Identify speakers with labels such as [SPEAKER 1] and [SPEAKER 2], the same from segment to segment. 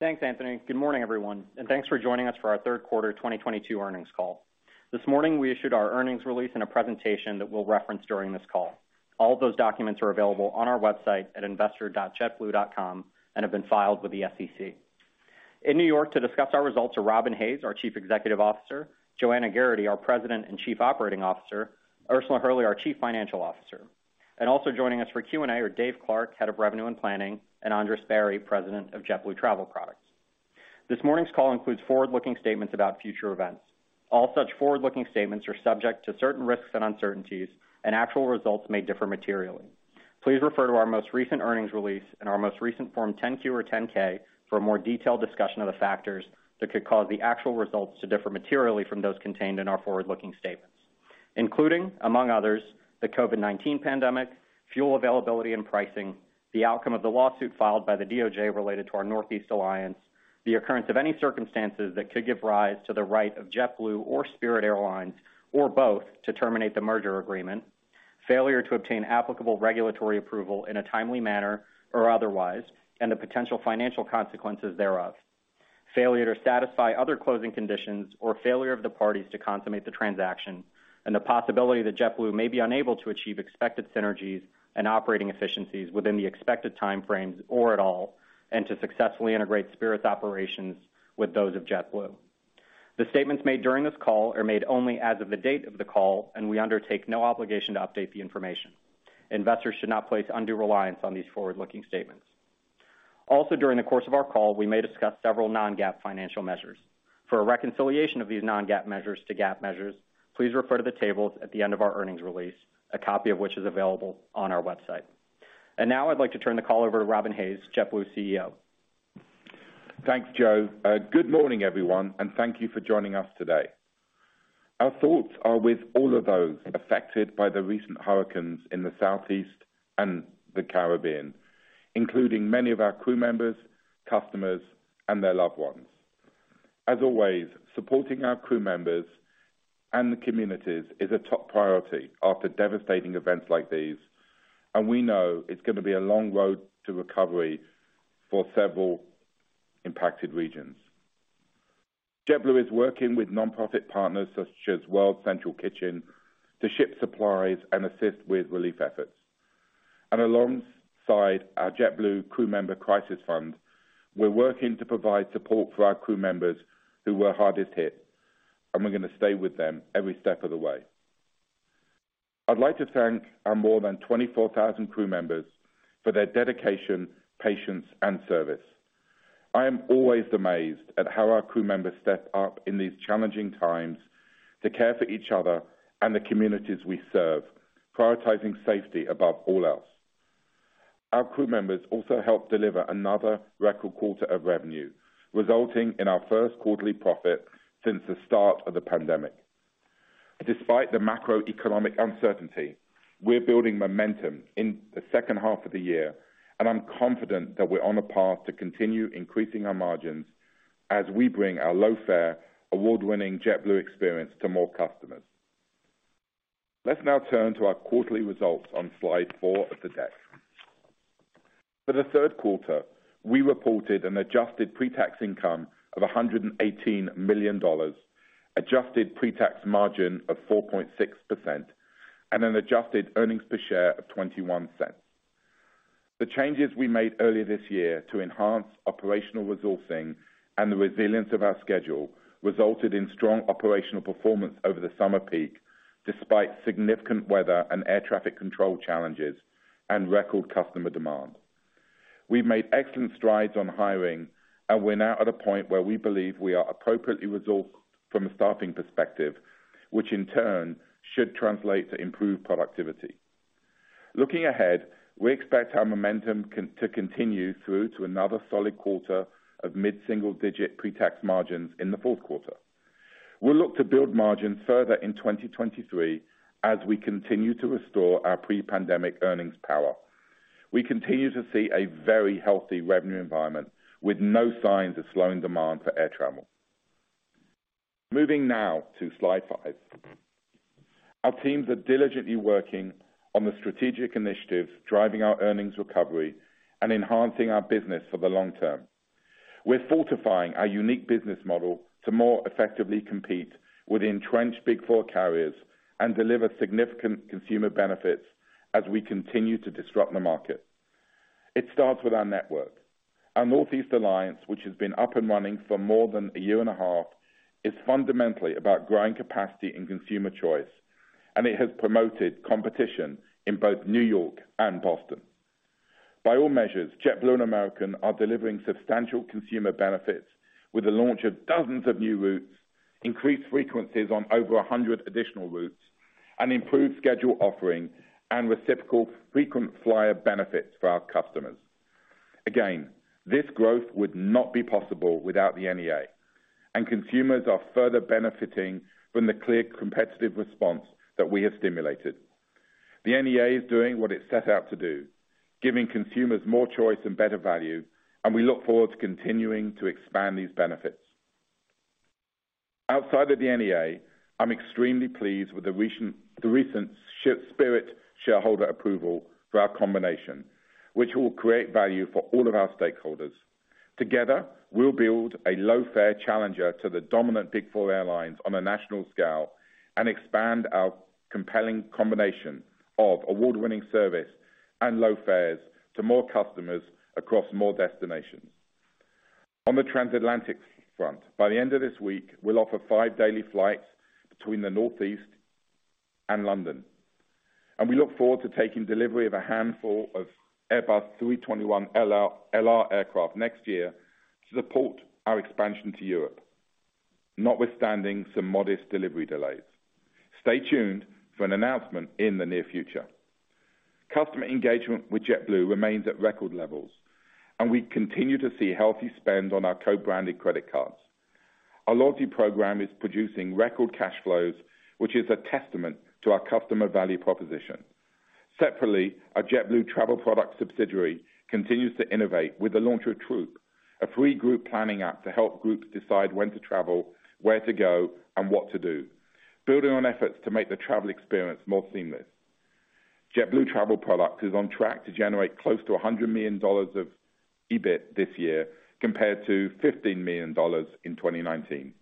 [SPEAKER 1] Thanks, Anthony. Good morning, everyone, and thanks for joining us for our Q3 2022 earnings call. This morning we issued our earnings release and a presentation that we'll reference during this call. All of those documents are available on our website at investor.jetblue.com and have been filed with the SEC. In New York to discuss our results are Robin Hayes, our Chief Executive Officer, Joanna Geraghty, our President and Chief Operating Officer, Ursula Hurley, our Chief Financial Officer. Also joining us for Q&A are Dave Clark, Head of Revenue and Planning, and Andres Barry, President of JetBlue Travel Products. This morning's call includes forward-looking statements about future events. All such forward-looking statements are subject to certain risks and uncertainties, and actual results may differ materially. Please refer to our most recent earnings release and our most recent Form 10-Q or 10-K for a more detailed discussion of the factors that could cause the actual results to differ materially from those contained in our forward-looking statements, including, among others, the COVID-19 pandemic, fuel availability and pricing, the outcome of the lawsuit filed by the DOJ related to our Northeast Alliance, the occurrence of any circumstances that could give rise to the right of JetBlue or Spirit Airlines or both to terminate the merger agreement, failure to obtain applicable regulatory approval in a timely manner or otherwise, and the potential financial consequences thereof, failure to satisfy other closing conditions or failure of the parties to consummate the transaction, and the possibility that JetBlue may be unable to achieve expected synergies and operating efficiencies within the expected time frames or at all, and to successfully integrate Spirit's operations with those of JetBlue. The statements made during this call are made only as of the date of the call, and we undertake no obligation to update the information. Investors should not place undue reliance on these forward-looking statements. Also, during the course of our call, we may discuss several non-GAAP financial measures. For a reconciliation of these non-GAAP measures to GAAP measures, please refer to the tables at the end of our earnings release, a copy of which is available on our website. Now I'd like to turn the call over to Robin Hayes, JetBlue's CEO.
[SPEAKER 2] Thanks, Joe. Good morning, everyone, and thank you for joining us today. Our thoughts are with all of those affected by the recent hurricanes in the Southeast and the Caribbean, including many of our crew members, customers, and their loved ones. As always, supporting our crew members and the communities is a top priority after devastating events like these, and we know it's gonna be a long road to recovery for several impacted regions. JetBlue is working with nonprofit partners such as World Central Kitchen to ship supplies and assist with relief efforts. Alongside our JetBlue Crew Member Crisis Fund, we're working to provide support for our crew members who were hardest hit, and we're gonna stay with them every step of the way. I'd like to thank our more than 24,000 crew members for their dedication, patience, and service. I am always amazed at how our crew members step up in these challenging times to care for each other and the communities we serve, prioritizing safety above all else. Our crew members also helped deliver another record quarter of revenue, resulting in our quarterly profit since the start of the pandemic. Despite the macroeconomic uncertainty, we're building momentum in the second half of the year, and I'm confident that we're on a path to continue increasing our margins as we bring our low-fare, award-winning JetBlue experience to more customers. Let's now turn to our quarterly results on Slide 4 of the deck. For the Q3, we reported an adjusted pre-tax income of $118 million, adjusted pre-tax margin of 4.6%, and an adjusted earnings per share of $0.21. The changes we made earlier this year to enhance operational resourcing and the resilience of our schedule resulted in strong operational performance over the summer peak, despite significant weather and air traffic control challenges and record customer demand. We've made excellent strides on hiring, and we're now at a point where we believe we are appropriately resourced from a staffing perspective, which in turn should translate to improved productivity. Looking ahead, we expect our momentum to continue through to another solid quarter of mid-single digit pre-tax margins in the Q4. We'll look to build margins further in 2023 as we continue to restore our pre-pandemic earnings power. We continue to see a very healthy revenue environment with no signs of slowing demand for air travel. Moving now to Slide 5. Our teams are diligently working on the strategic initiatives, driving our earnings recovery and enhancing our business for the long term. We're fortifying our unique business model to more effectively compete with entrenched big four carriers and deliver significant consumer benefits as we continue to disrupt the market. It starts with our network. Our Northeast Alliance, which has been up and running for more than a year and a half, is fundamentally about growing capacity and consumer choice, and it has promoted competition in both New York and Boston. By all measures, JetBlue and American are delivering substantial consumer benefits with the launch of dozens of new routes, increased frequencies on over 100 additional routes, an improved schedule offering, and reciprocal frequent flyer benefits for our customers. Again, this growth would not be possible without the NEA, and consumers are further benefiting from the clear competitive response that we have stimulated. The NEA is doing what it set out to do, giving consumers more choice and better value, and we look forward to continuing to expand these benefits. Outside of the NEA, I'm extremely pleased with the recent Spirit shareholder approval for our combination, which will create value for all of our stakeholders. Together, we'll build a low-fare challenger to the dominant big four airlines on a national scale and expand our compelling combination of award-winning service and low fares to more customers across more destinations. On the transatlantic front, by the end of this week, we'll offer 5 daily flights between the Northeast and London. We look forward to taking delivery of a handful of Airbus A321LR aircraft next year to support our expansion to Europe, notwithstanding some modest delivery delays. Stay tuned for an announcement in the near future. Customer engagement with JetBlue remains at record levels, and we continue to see healthy spend on our co-branded credit cards. Our loyalty program is producing record cash flows, which is a testament to our customer value proposition. Separately, our JetBlue Travel Products subsidiary continues to innovate with the launch of Troupe, a free group planning app to help groups decide when to travel, where to go, and what to do, building on efforts to make the travel experience more seamless. JetBlue Travel Products is on track to generate close to $100 million of EBIT this year compared to $15 million in 2019.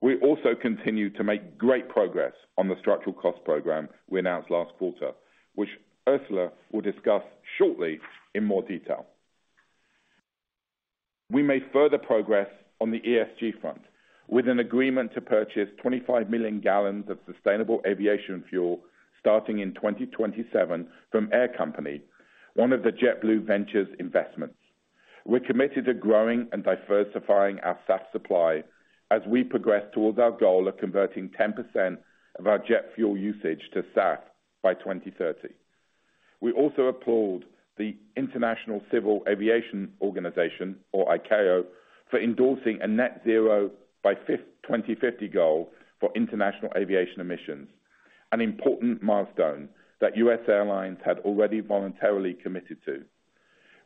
[SPEAKER 2] We also continue to make great progress on the structural cost program we announced last quarter, which Ursula will discuss shortly in more detail. We made further progress on the ESG front with an agreement to purchase 25 million gallons of sustainable aviation fuel starting in 2027 from Air Company, one of the JetBlue Ventures investments. We're committed to growing and diversifying our SAF supply as we progress towards our goal of converting 10% of our jet fuel usage to SAF by 2030. We also applaud the International Civil Aviation Organization, or ICAO, for endorsing a net zero by 2050 goal for international aviation emissions, an important milestone that U.S. airlines had already voluntarily committed to.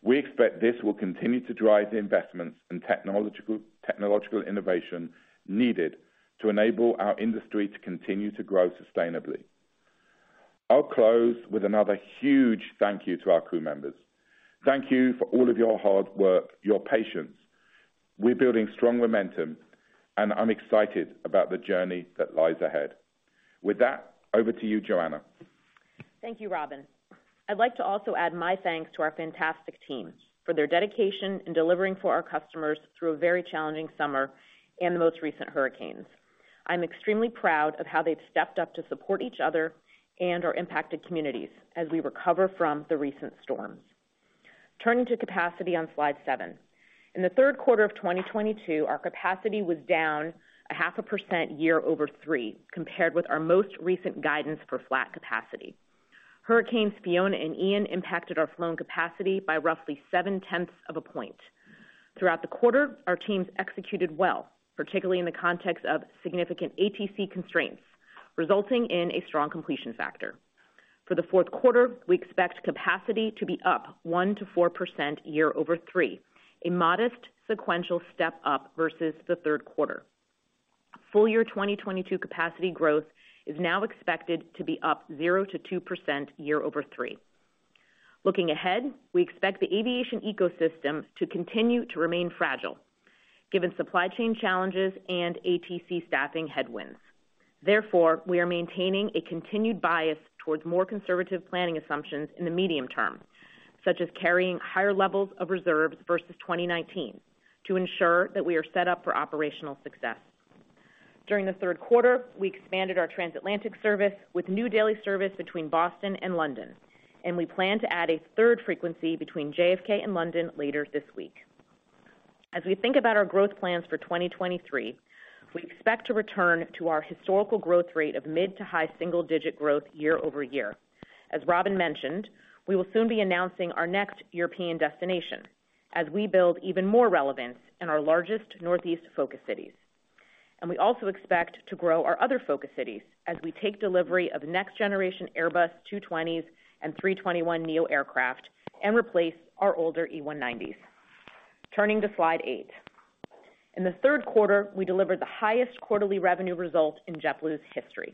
[SPEAKER 2] We expect this will continue to drive the investments and technological innovation needed to enable our industry to continue to grow sustainably. I'll close with another huge thank you to our crew members. Thank you for all of your hard work, your patience. We're building strong momentum, and I'm excited about the journey that lies ahead. With that, over to you, Joanna.
[SPEAKER 3] Thank you, Robin. I'd like to also add my thanks to our fantastic team for their dedication in delivering for our customers through a very challenging summer and the most recent hurricanes. I'm extremely proud of how they've stepped up to support each other and our impacted communities as we recover from the recent storm. Turning to capacity on Slide 7. In the Q3 of 2022, our capacity was down 0.5% year over three, compared with our most recent guidance for flat capacity. Hurricane Fiona and Ian impacted our flown capacity by roughly 0.7 of a point. Throughout the quarter, our teams executed well, particularly in the context of significant ATC constraints, resulting in a strong completion factor. For the Q4, we expect capacity to be up 1%-4% year over three, a modest sequential step-up versus the Q3. Full year 2022 capacity growth is now expected to be up 0%-2% year over three. Looking ahead, we expect the aviation ecosystem to continue to remain fragile given supply chain challenges and ATC staffing headwinds. Therefore, we are maintaining a continued bias towards more conservative planning assumptions in the medium term, such as carrying higher levels of reserves versus 2019, to ensure that we are set up for operational success. During the Q3, we expanded our transatlantic service with new daily service between Boston and London, and we plan to add a third frequency between JFK and London later this week. As we think about our growth plans for 2023, we expect to return to our historical growth rate of mid- to high-single-digit growth year-over-year. As Robin mentioned, we will soon be announcing our next European destination as we build even more relevance in our largest Northeast focus cities. We also expect to grow our other focus cities as we take delivery of next generation Airbus A220s and A321neo aircraft and replace our older E190s. Turning to Slide 8. In the Q3, we delivered the highest quarterly revenue result in JetBlue's history.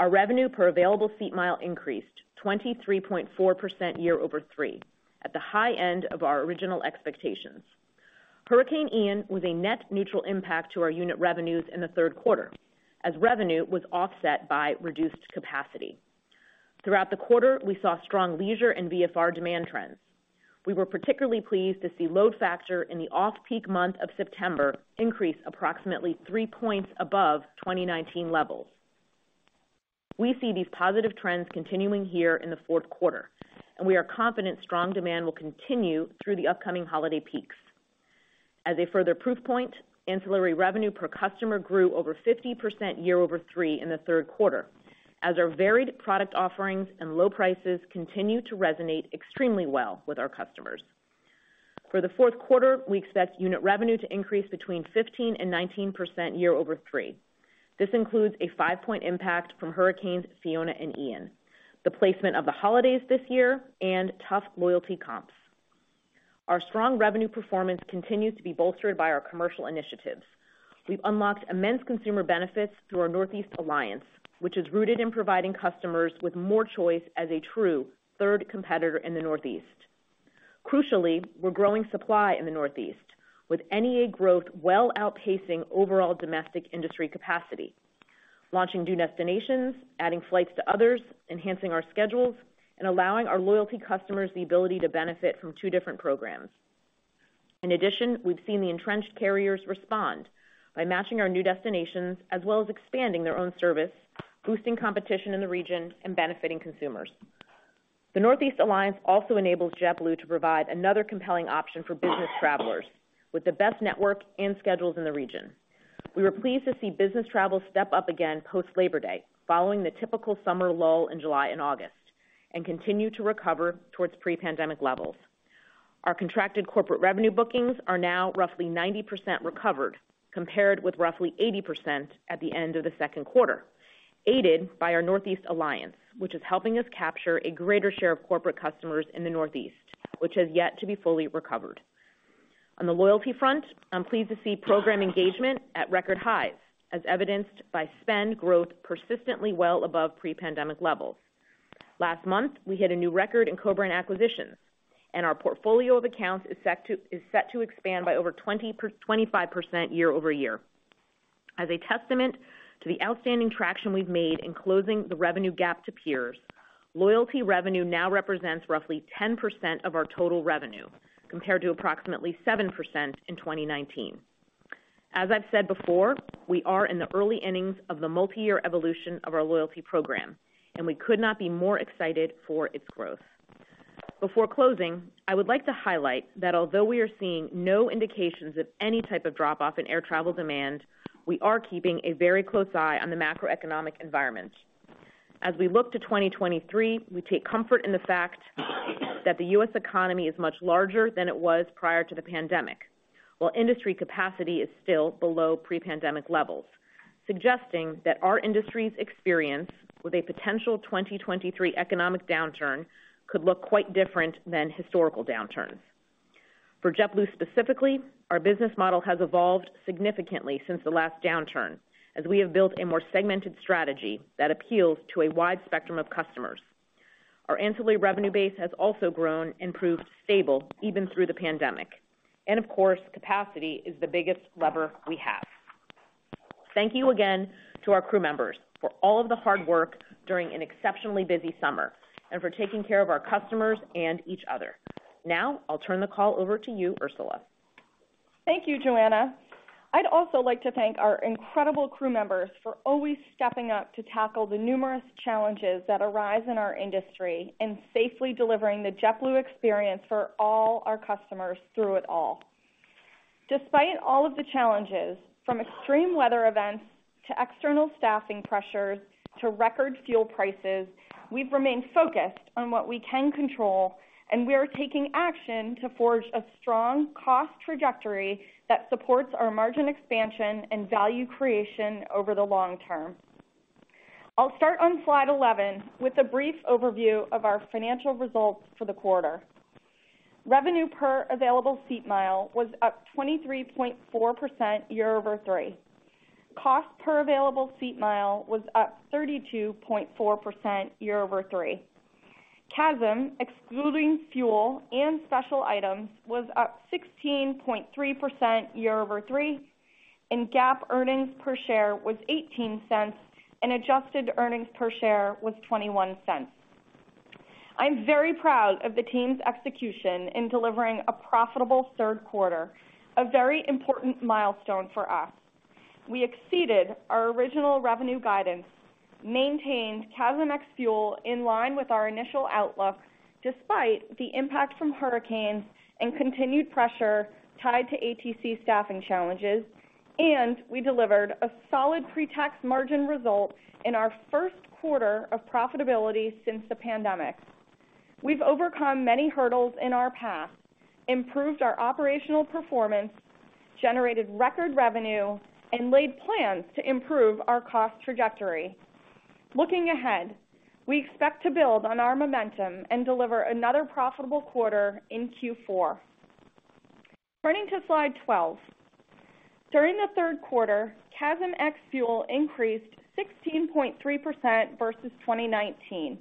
[SPEAKER 3] Our revenue per available seat mile increased 23.4% year over three at the high end of our original expectations. Hurricane Ian was a net neutral impact to our unit revenues in the Q3 as revenue was offset by reduced capacity. Throughout the quarter, we saw strong leisure and VFR demand trends. We were particularly pleased to see load factor in the off-peak month of September increase approximately 3 points above 2019 levels. We see these positive trends continuing here in the Q4, and we are confident strong demand will continue through the upcoming holiday peaks. As a further proof point, ancillary revenue per customer grew over 50% year over three in the Q3 as our varied product offerings and low prices continue to resonate extremely well with our customers. For the Q4, we expect unit revenue to increase between 15% and 19% year over three. This includes a 5-point impact from Hurricane Fiona and Hurricane Ian, the placement of the holidays this year, and tough loyalty comps. Our strong revenue performance continues to be bolstered by our commercial initiatives. We've unlocked immense consumer benefits through our Northeast Alliance, which is rooted in providing customers with more choice as a true third competitor in the Northeast. Crucially, we're growing supply in the Northeast with NEA growth well outpacing overall domestic industry capacity, launching new destinations, adding flights to others, enhancing our schedules, and allowing our loyalty customers the ability to benefit from two different programs. In addition, we've seen the entrenched carriers respond by matching our new destinations as well as expanding their own service, boosting competition in the region and benefiting consumers. The Northeast Alliance also enables JetBlue to provide another compelling option for business travelers with the best network and schedules in the region. We were pleased to see business travel step up again post Labor Day following the typical summer lull in July and August and continue to recover towards pre-pandemic levels. Our contracted corporate revenue bookings are now roughly 90% recovered, compared with roughly 80% at the end of the Q2, aided by our Northeast Alliance, which is helping us capture a greater share of corporate customers in the Northeast, which has yet to be fully recovered. On the loyalty front, I'm pleased to see program engagement at record highs, as evidenced by spend growth persistently well above pre-pandemic levels. Last month, we hit a new record in cobrand acquisitions, and our portfolio of accounts is set to expand by over 20-25% year-over-year. As a testament to the outstanding traction we've made in closing the revenue gap to peers, loyalty revenue now represents roughly 10% of our total revenue, compared to approximately 7% in 2019. As I've said before, we are in the early innings of the multi-year evolution of our loyalty program, and we could not be more excited for its growth. Before closing, I would like to highlight that although we are seeing no indications of any type of drop-off in air travel demand, we are keeping a very close eye on the macroeconomic environment. As we look to 2023, we take comfort in the fact that the U.S. economy is much larger than it was prior to the pandemic, while industry capacity is still below pre-pandemic levels, suggesting that our industry's experience with a potential 2023 economic downturn could look quite different than historical downturns. For JetBlue specifically, our business model has evolved significantly since the last downturn as we have built a more segmented strategy that appeals to a wide spectrum of customers. Our ancillary revenue base has also grown and proved stable even through the pandemic. Of course, capacity is the biggest lever we have. Thank you again to our crew members for all of the hard work during an exceptionally busy summer and for taking care of our customers and each other. Now I'll turn the call over to you, Ursula.
[SPEAKER 4] Thank you, Joanna. I'd also like to thank our incredible crew members for always stepping up to tackle the numerous challenges that arise in our industry and safely delivering the JetBlue experience for all our customers through it all. Despite all of the challenges, from extreme weather events to external staffing pressures to record fuel prices, we've remained focused on what we can control, and we are taking action to forge a strong cost trajectory that supports our margin expansion and value creation over the long term. I'll start on Slide 11 with a brief overview of our financial results for the quarter. Revenue per available seat mile was up 23.4% year over three. Cost per available seat mile was up 32.4% year over three. CASM, excluding fuel and special items, was up 16.3% year over three, and GAAP earnings per share was $0.18, and adjusted earnings per share was $0.21. I'm very proud of the team's execution in delivering a profitable Q3, a very important milestone for us. We exceeded our original revenue guidance, maintained CASM ex fuel in line with our initial outlook despite the impact from hurricanes and continued pressure tied to ATC staffing challenges, and we delivered a solid pre-tax margin result in our Q1 of profitability since the pandemic. We've overcome many hurdles in our path, improved our operational performance, generated record revenue, and laid plans to improve our cost trajectory. Looking ahead, we expect to build on our momentum and deliver another profitable quarter in Q4. Turning to Slide 12. During the Q3, CASM ex fuel increased 16.3% versus 2019.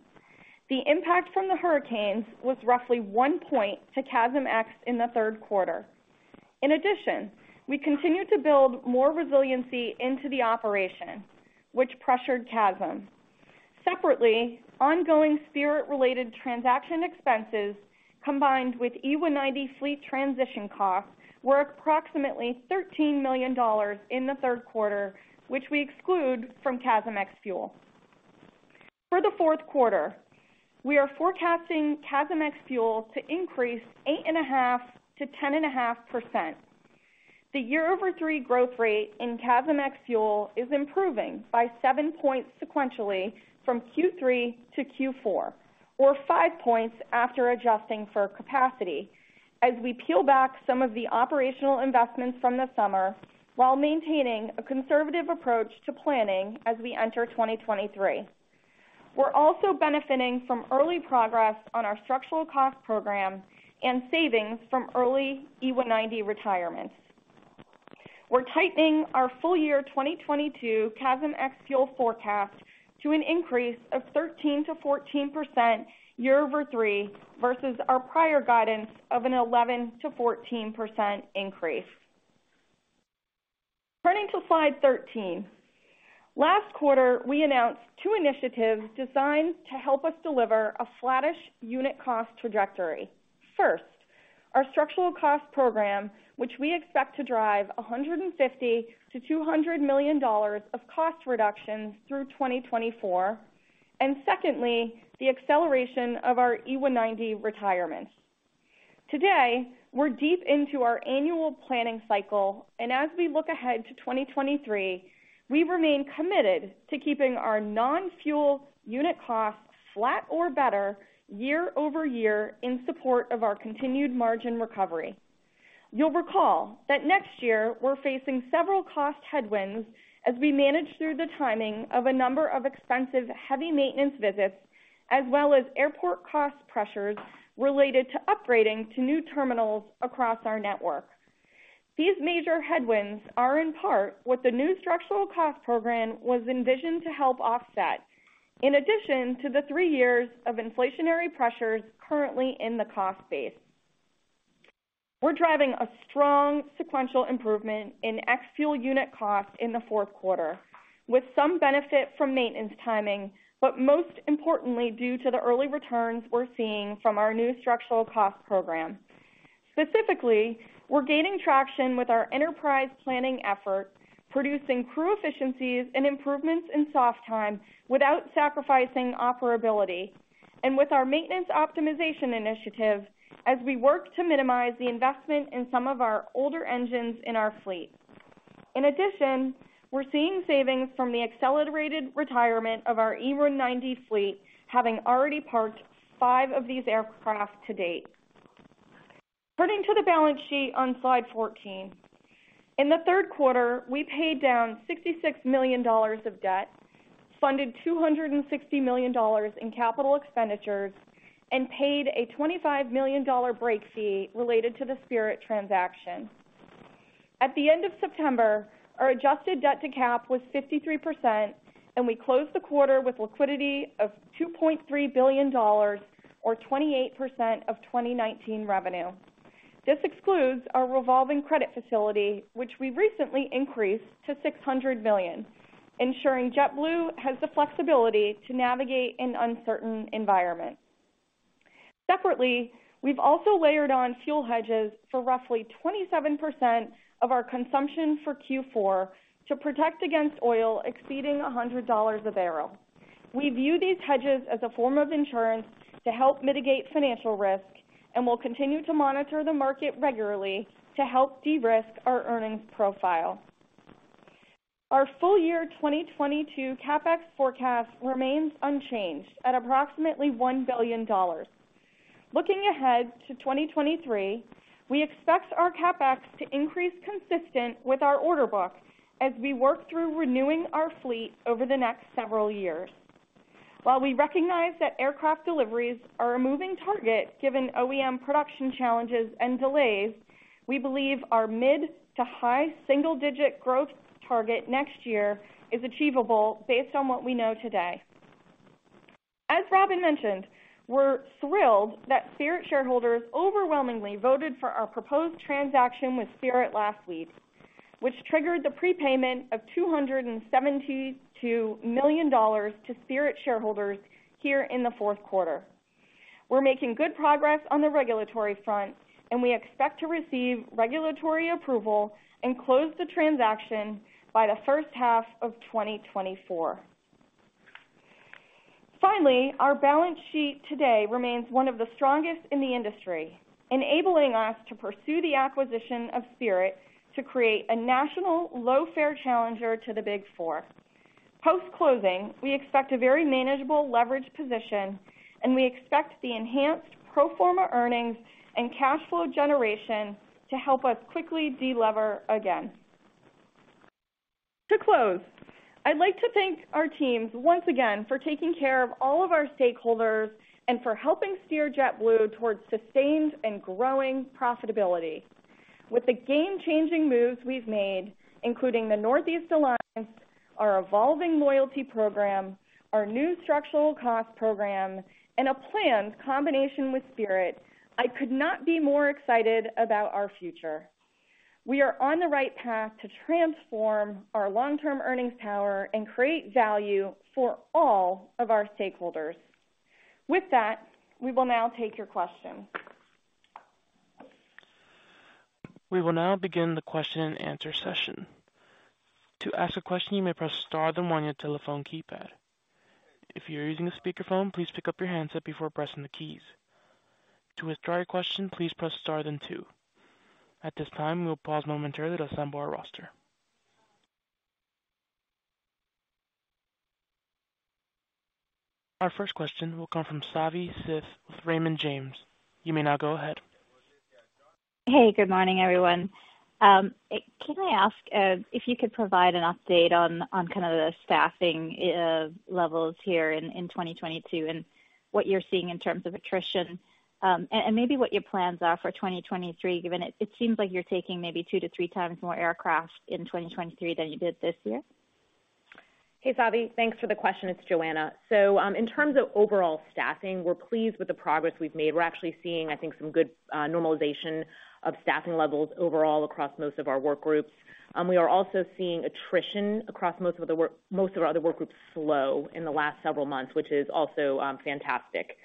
[SPEAKER 4] The impact from the hurricanes was roughly 1.2 CASM ex in the Q3. In addition, we continued to build more resiliency into the operation, which pressured CASM. Separately, ongoing Spirit-related transaction expenses combined with E190 fleet transition costs were approximately $13 million in the Q3, which we exclude from CASM ex fuel. For the Q4, we are forecasting CASM ex-fuel to increase 8.5%-10.5%. The year-over-three growth rate in CASM ex-fuel is improving by 7 points sequentially from Q3 to Q4, or 5 points after adjusting for capacity, as we peel back some of the operational investments from the summer while maintaining a conservative approach to planning as we enter 2023. We're also benefiting from early progress on our structural cost program and savings from early E190 retirements. We're tightening our full year 2022 CASM ex-fuel forecast to an increase of 13%-14% year-over-three versus our prior guidance of an 11%-14% increase. Turning to Slide 13. Last quarter, we announced two initiatives designed to help us deliver a flattish unit cost trajectory. First, our structural cost program, which we expect to drive $150 million-$200 million of cost reductions through 2024, and secondly, the acceleration of our E190 retirement. Today, we're deep into our annual planning cycle, and as we look ahead to 2023, we remain committed to keeping our non-fuel unit costs flat or better year-over-year in support of our continued margin recovery. You'll recall that next year we're facing several cost headwinds as we manage through the timing of a number of expensive heavy maintenance visits, as well as airport cost pressures related to upgrading to new terminals across our network. These major headwinds are in part what the new structural cost program was envisioned to help offset, in addition to the three years of inflationary pressures currently in the cost base. We're driving a strong sequential improvement in ex-fuel unit cost in the Q4 with some benefit from maintenance timing, but most importantly, due to the early returns we're seeing from our new structural cost program. Specifically, we're gaining traction with our enterprise planning effort, producing crew efficiencies and improvements in soft time without sacrificing operability, and with our maintenance optimization initiative as we work to minimize the investment in some of our older engines in our fleet. In addition, we're seeing savings from the accelerated retirement of our E190 fleet, having already parked 5 of these aircraft to date. Turning to the balance sheet on Slide 14. In the Q3, we paid down $66 million of debt, funded $260 million in capital expenditures, and paid a $25 million break fee related to the Spirit transaction. At the end of September, our adjusted debt to cap was 53%, and we closed the quarter with liquidity of $2.3 billion or 28% of 2019 revenue. This excludes our revolving credit facility, which we recently increased to $600 million, ensuring JetBlue has the flexibility to navigate an uncertain environment. Separately, we've also layered on fuel hedges for roughly 27% of our consumption for Q4 to protect against oil exceeding $100 a barrel. We view these hedges as a form of insurance to help mitigate financial risk, and we'll continue to monitor the market regularly to help de-risk our earnings profile. Our full year 2022 CapEx forecast remains unchanged at approximately $1 billion. Looking ahead to 2023, we expect our CapEx to increase consistent with our order book as we work through renewing our fleet over the next several years. While we recognize that aircraft deliveries are a moving target, given OEM production challenges and delays, we believe our mid- to high single-digit growth target next year is achievable based on what we know today. As Robin mentioned, we're thrilled that Spirit shareholders overwhelmingly voted for our proposed transaction with Spirit last week, which triggered the prepayment of $272 million to Spirit shareholders here in the Q4. We're making good progress on the regulatory front, and we expect to receive regulatory approval and close the transaction by the first half of 2024. Finally, our balance sheet today remains one of the strongest in the industry, enabling us to pursue the acquisition of Spirit to create a national low-fare challenger to the Big Four. Post-closing, we expect a very manageable leverage position, and we expect the enhanced pro forma earnings and cash flow generation to help us quickly de-lever again. To close, I'd like to thank our teams once again for taking care of all of our stakeholders and for helping steer JetBlue towards sustained and growing profitability. With the game-changing moves we've made, including the Northeast Alliance, our evolving loyalty program, our new structural cost program, and a planned combination with Spirit, I could not be more excited about our future. We are on the right path to transform our long-term earnings power and create value for all of our stakeholders. With that, we will now take your questions.
[SPEAKER 5] Hey, good morning, everyone. Can I ask if you could provide an update on the staffing levels here in 2022 and what you're seeing in terms of attrition, and maybe what your plans are for 2023, given it seems like you're taking maybe 2-3 times more aircraft in 2023 than you did this year?
[SPEAKER 3] Hey, Savi, thanks for the question. It's Joanna. In terms of overall staffing, we're pleased with the progress we've made. We're actually seeing, I think, some good normalization of staffing levels overall across most of our workgroups. We are also seeing attrition across most of our other workgroups slow in the last several months, which is also fantastic.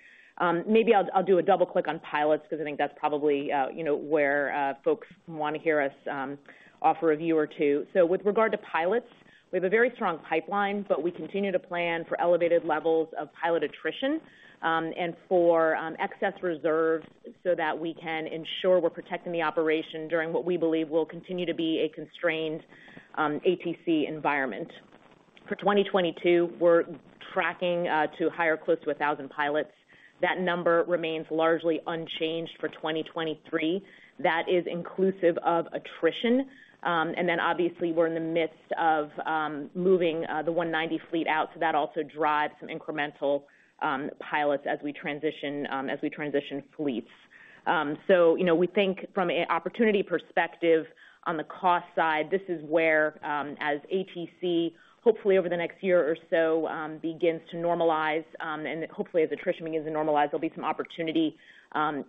[SPEAKER 3] Maybe I'll do a double click on pilots because I think that's probably, where folks wanna hear us offer a view or two. With regard to pilots, we have a very strong pipeline, but we continue to plan for elevated levels of pilot attrition and for excess reserves so that we can ensure we're protecting the operation during what we believe will continue to be a constrained ATC environment. For 2022, we're tracking to hire close to 1,000 pilots. That number remains largely unchanged for 2023. That is inclusive of attrition. Obviously we're in the midst of moving the E190 fleet out, so that also drives some incremental pilots as we transition fleets. We think from an opportunity perspective on the cost side, this is where, as ATC hopefully over the next year or so begins to normalize, and hopefully as attrition begins to normalize, there'll be some opportunity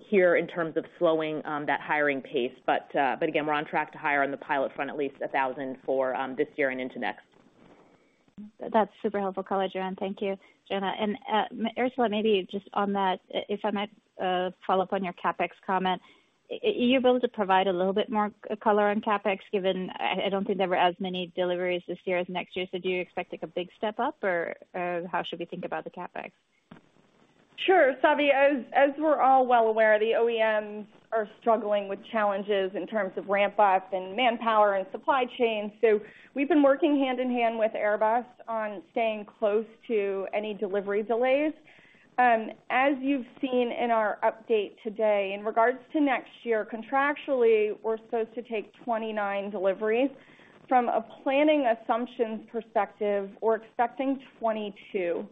[SPEAKER 3] here in terms of slowing that hiring pace. Again, we're on track to hire on the pilot front at least 1,000 for this year and into next.
[SPEAKER 5] That's super helpful color, Joanna. Thank you, Joanna. Ursula, maybe just on that, if I might, follow up on your CapEx comment. Are you able to provide a little bit more color on CapEx, given I don't think there were as many deliveries this year as next year. Do you expect like a big step up or how should we think about the CapEx?
[SPEAKER 4] Sure. Savi, as we're all well aware, the OEMs are struggling with challenges in terms of ramp up and manpower and supply chain. We've been working hand-in-hand with Airbus on staying close to any delivery delays. As you've seen in our update today, in regards to next year, contractually, we're supposed to take 29 deliveries. From a planning assumptions perspective, we're expecting 22.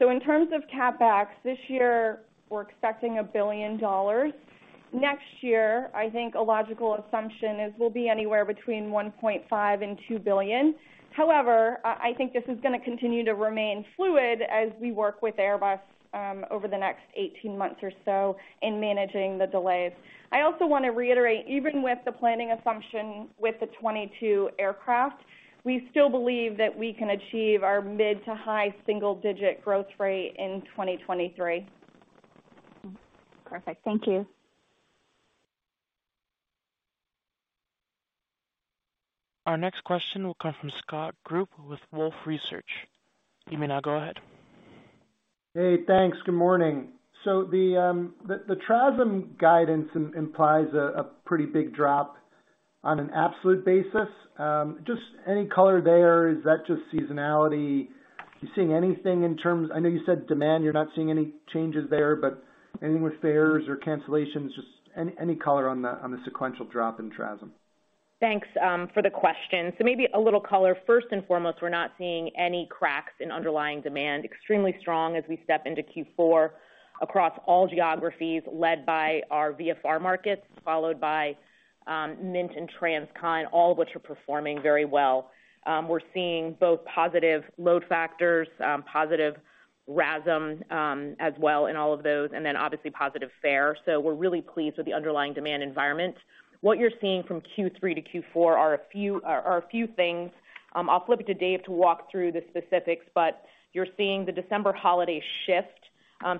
[SPEAKER 4] In terms of CapEx, this year we're expecting $1 billion. Next year, I think a logical assumption is we'll be anywhere between $1.5-$2 billion. However, I think this is gonna continue to remain fluid as we work with Airbus over the next 18 months or so in managing the delays. I also wanna reiterate, even with the planning assumption with the 22 aircraft, we still believe that we can achieve our mid- to high single-digit growth rate in 2023.
[SPEAKER 5] Perfect. Thank you.
[SPEAKER 6] Hey, thanks. Good morning. The TRASM guidance implies a pretty big drop on an absolute basis. Just any color there, is that just seasonality? You seeing anything? I know you said demand, you're not seeing any changes there, but anything with fares or cancellations, just any color on the sequential drop in TRASM.
[SPEAKER 3] Thanks for the question. Maybe a little color. First and foremost, we're not seeing any cracks in underlying demand. Extremely strong as we step into Q4 across all geographies led by our VFR markets, followed by Mint and Transcon, all of which are performing very well. We're seeing both positive load factors, positive RASM as well in all of those, and then obviously positive fare. We're really pleased with the underlying demand environment. What you're seeing from Q3 to Q4 are a few things. I'll flip it to Dave to walk through the specifics, but you're seeing the December holiday shift,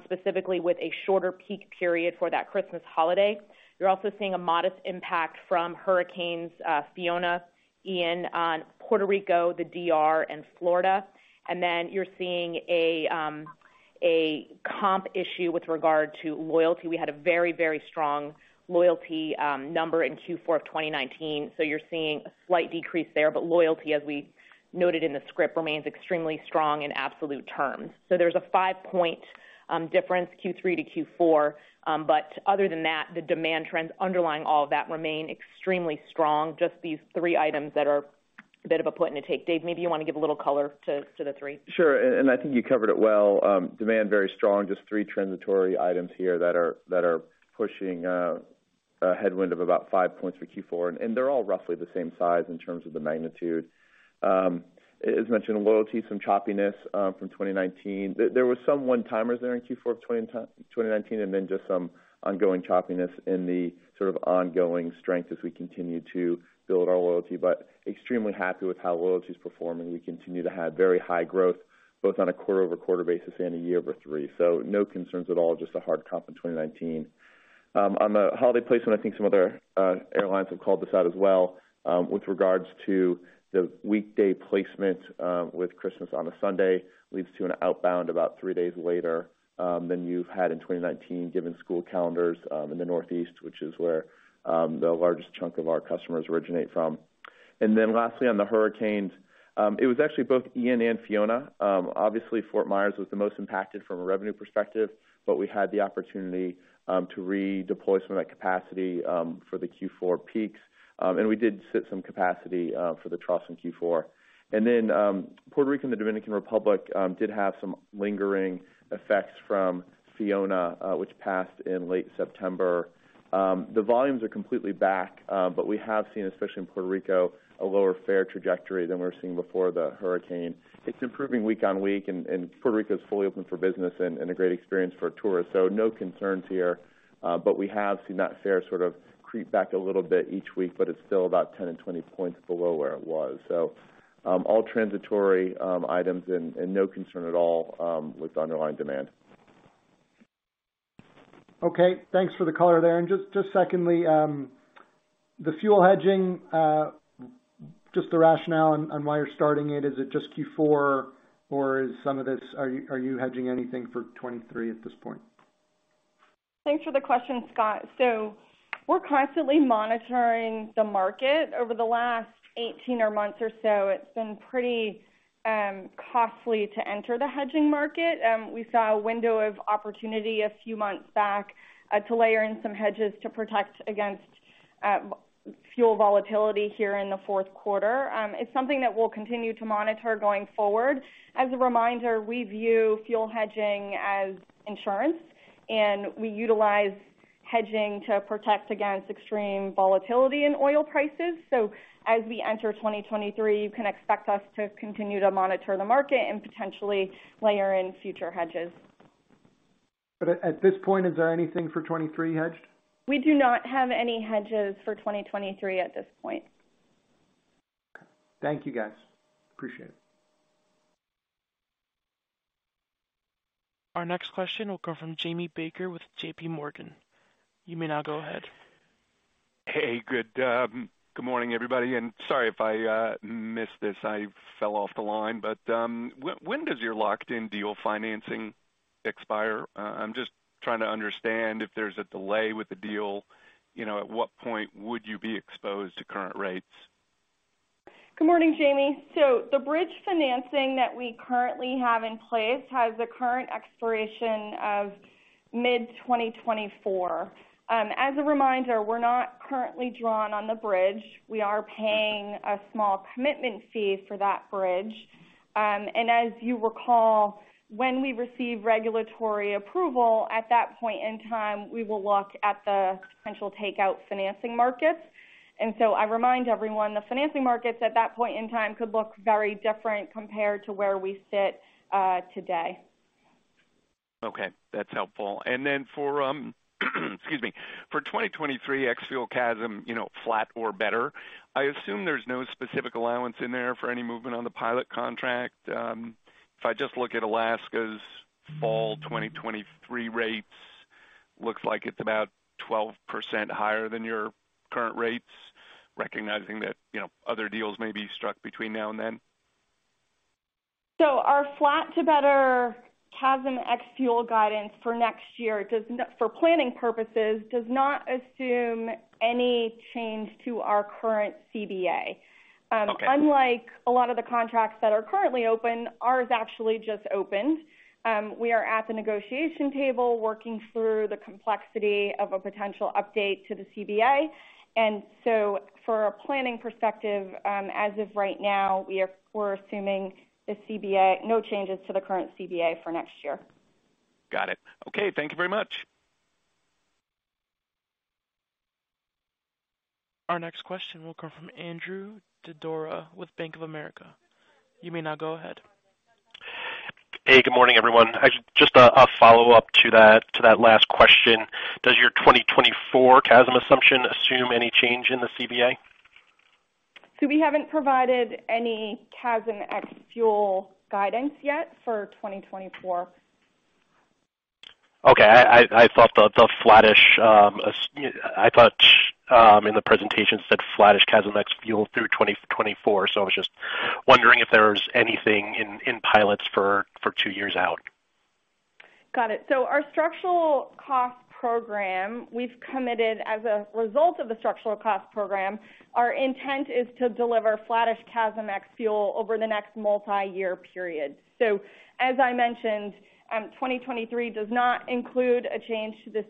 [SPEAKER 3] specifically with a shorter peak period for that Christmas holiday. You're also seeing a modest impact from hurricanes Fiona, Ian on Puerto Rico, the DR, and Florida. You're seeing a comp issue with regard to loyalty. We had a very, very strong loyalty number in Q4 of 2019, so you're seeing a slight decrease there. Loyalty, as we noted in the script, remains extremely strong in absolute terms. There's a 5-point difference Q3 to Q4. Other than that, the demand trends underlying all of that remain extremely strong. Just these three items that are a bit of puts and takes. Dave, maybe you wanna give a little color to the three.
[SPEAKER 7] Sure. I think you covered it well. Demand very strong. Just three transitory items here that are pushing a headwind of about 5 points for Q4, and they're all roughly the same size in terms of the magnitude. As mentioned, loyalty, some choppiness from 2019. There was some one-timers there in Q4 of 2019 and then just some ongoing choppiness in the sort of ongoing strength as we continue to build our loyalty. Extremely happy with how loyalty is performing. We continue to have very high growth both on a quarter-over-quarter basis and a year over three. No concerns at all, just a hard comp in 2019. On the holiday placement, I think some other airlines have called this out as well. With regards to the weekday placement, with Christmas on a Sunday leads to an outbound about 3 days later than you've had in 2019, given school calendars in the Northeast, which is where the largest chunk of our customers originate from. Then lastly, on the hurricanes, it was actually both Ian and Fiona. Obviously, Fort Myers was the most impacted from a revenue perspective, but we had the opportunity to redeploy some of that capacity for the Q4 peaks. We did cut some capacity for the trough in Q4. Puerto Rico and the Dominican Republic did have some lingering effects from Fiona, which passed in late September. The volumes are completely back, but we have seen, especially in Puerto Rico, a lower fare trajectory than we were seeing before the hurricane. It's improving week on week and Puerto Rico is fully open for business and a great experience for tourists. No concerns here, but we have seen that fare sort of creep back a little bit each week, but it's still about 10 and 20 points below where it was. All transitory items and no concern at all with underlying demand.
[SPEAKER 6] Okay. Thanks for the color there. Just secondly, the fuel hedging, just the rationale on why you're starting it. Is it just Q4 or are you hedging anything for 2023 at this point?
[SPEAKER 4] Thanks for the question, Scott. We're constantly monitoring the market. Over the last 18 months or so, it's been pretty costly to enter the hedging market. We saw a window of opportunity a few months back to layer in some hedges to protect against fuel volatility here in the Q4. It's something that we'll continue to monitor going forward. As a reminder, we view fuel hedging as insurance, and we utilize hedging to protect against extreme volatility in oil prices. As we enter 2023, you can expect us to continue to monitor the market and potentially layer in future hedges.
[SPEAKER 6] At this point, is there anything for 23 hedged?
[SPEAKER 4] We do not have any hedges for 2023 at this point.
[SPEAKER 6] Thank you, guys. Appreciate it.
[SPEAKER 8] Hey, good morning, everybody, and sorry if I missed this. I fell off the line. When does your locked-in deal financing expire? I'm just trying to understand if there's a delay with the deal, at what point would you be exposed to current rates?
[SPEAKER 4] Good morning, Jamie. The bridge financing that we currently have in place has a current expiration of mid-2024. As a reminder, we're not currently drawn on the bridge. We are paying a small commitment fee for that bridge. As you recall, when we receive regulatory approval, at that point in time, we will look at the potential takeout financing markets. I remind everyone, the financing markets at that point in time could look very different compared to where we sit today.
[SPEAKER 8] Okay, that's helpful. For 2023 ex-fuel CASM, flat or better, I assume there's no specific allowance in there for any movement on the pilot contract. If I just look at Alaska's fall 2023 rates, looks like it's about 12% higher than your current rates, recognizing that, other deals may be struck between now and then.
[SPEAKER 4] Our flat to better CASM ex-fuel guidance for next year, for planning purposes, does not assume any change to our current CBA.
[SPEAKER 8] Okay.
[SPEAKER 4] Unlike a lot of the contracts that are currently open, ours actually just opened. We are at the negotiation table working through the complexity of a potential update to the CBA. For a planning perspective, as of right now, we're assuming no changes to the current CBA for next year.
[SPEAKER 8] Got it. Okay. Thank you very much.
[SPEAKER 9] Hey, good morning, everyone. Actually, just a follow-up to that last question. Does your 2024 CASM assumption assume any change in the CBA?
[SPEAKER 4] We haven't provided any CASM ex-fuel guidance yet for 2024.
[SPEAKER 9] I thought the flattish CASM ex-fuel through 2024. I was just wondering if there's anything in pilots for two years out.
[SPEAKER 4] Got it. Our structural cost program, we've committed as a result of the structural cost program, our intent is to deliver flattish CASM ex-fuel over the next multi-year period. As I mentioned, 2023 does not include a change to the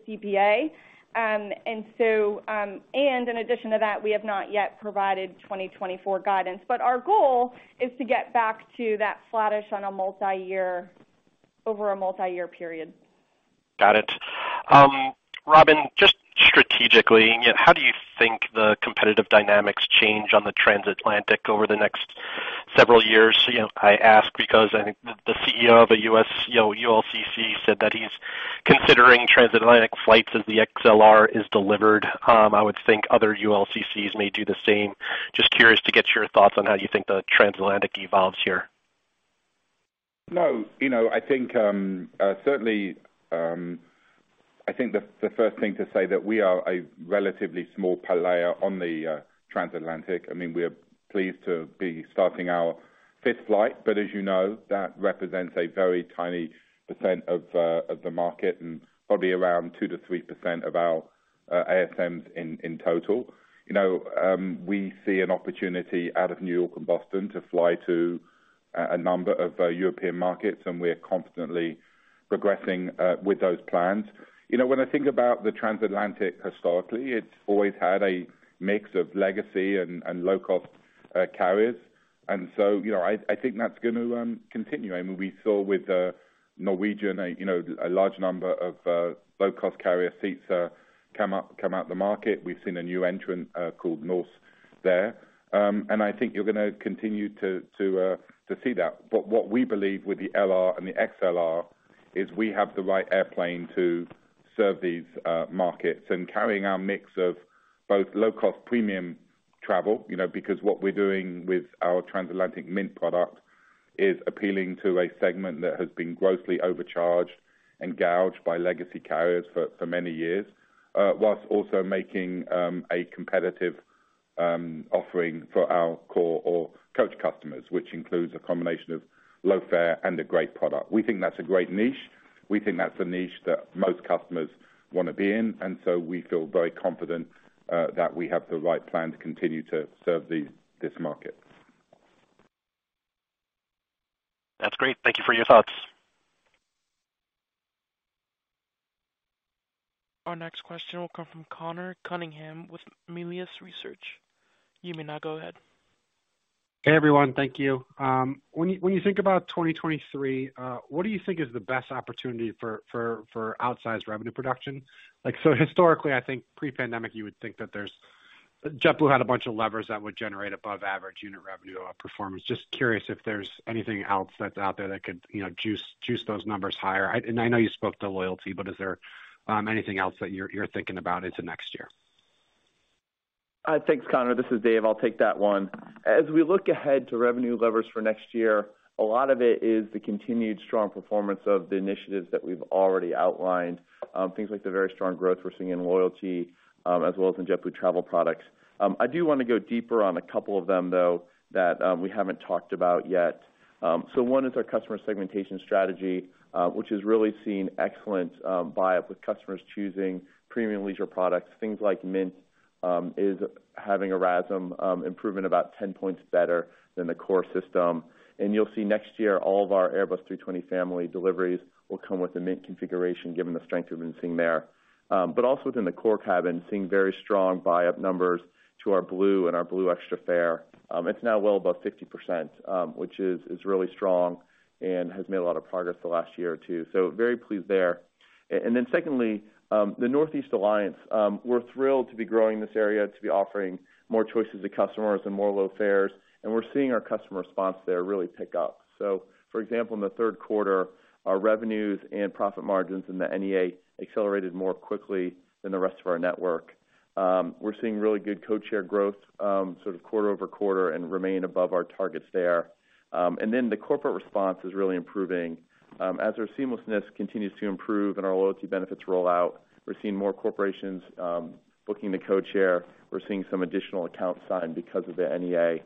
[SPEAKER 4] CBA. In addition to that, we have not yet provided 2024 guidance. Our goal is to get back to that flattish over a multi-year period.
[SPEAKER 9] Got it. Robin, just strategically, how do you think the competitive dynamics change on the transatlantic over the next several years? I ask because I think the CEO of a U.S., ULCC said that he's considering transatlantic flights as the Airbus A321XLR is delivered. I would think other ULCCs may do the same. Just curious to get your thoughts on how you think the transatlantic evolves here.
[SPEAKER 2] No, I think certainly the first thing to say that we are a relatively small player on the transatlantic. I mean, we're pleased to be starting our fifth flight, but as that represents a very tiny % of the market and probably around 2%-3% of our ASMs in total. We see an opportunity out of New York and Boston to fly to a number of European markets, and we're constantly progressing with those plans. When I think about the transatlantic historically, it's always had a mix of legacy and low-cost carriers. I think that's gonna continue. I mean, we saw with Norwegian, a large number of low-cost carrier seats come out the market. We've seen a new entrant called Norse there. I think you're gonna continue to see that. What we believe with the LR and the XLR is we have the right airplane to serve these markets and carrying our mix of both low-cost premium travel, because what we're doing with our transatlantic Mint product is appealing to a segment that has been grossly overcharged and gouged by legacy carriers for many years while also making a competitive offering for our core or coach customers, which includes a combination of low fare and a great product. We think that's a great niche. We think that's a niche that most customers wanna be in, and so we feel very confident that we have the right plan to continue to serve this market.
[SPEAKER 9] That's great. Thank you for your thoughts.
[SPEAKER 10] Hey, everyone. Thank you. When you think about 2023, what do you think is the best opportunity for outsized revenue production? Like, so historically, I think pre-pandemic you would think that there's JetBlue had a bunch of levers that would generate above average unit revenue performance. Just curious if there's anything else that's out there that could, juice those numbers higher. I know you spoke to loyalty, but is there anything else that you're thinking about into next year?
[SPEAKER 7] Thanks, Conor. This is Dave. I'll take that one. As we look ahead to revenue levers for next year, a lot of it is the continued strong performance of the initiatives that we've already outlined, things like the very strong growth we're seeing in loyalty, as well as in JetBlue Travel Products. I do wanna go deeper on a couple of them, though, that we haven't talked about yet. One is our customer segmentation strategy, which has really seen excellent buy-up with customers choosing premium leisure products. Things like Mint is having a RASM improvement about 10 points better than the core system. You'll see next year all of our Airbus A320 family deliveries will come with a Mint configuration given the strength we've been seeing there. Also within the core cabin, seeing very strong buy-up numbers to our Blue and our Blue Extra fare. It's now well above 50%, which is really strong and has made a lot of progress the last year or two. Very pleased there. Secondly, the Northeast Alliance, we're thrilled to be growing this area, to be offering more choices to customers and more low fares, and we're seeing our customer response there really pick up. For example, in the Q3, our revenues and profit margins in the NEA accelerated more quickly than the rest of our network. We're seeing really good codeshare growth, sort of quarter-over-quarter and remain above our targets there. The corporate response is really improving. As our seamlessness continues to improve and our loyalty benefits roll out, we're seeing more corporations booking the codeshare. We're seeing some additional accounts signed because of the NEA.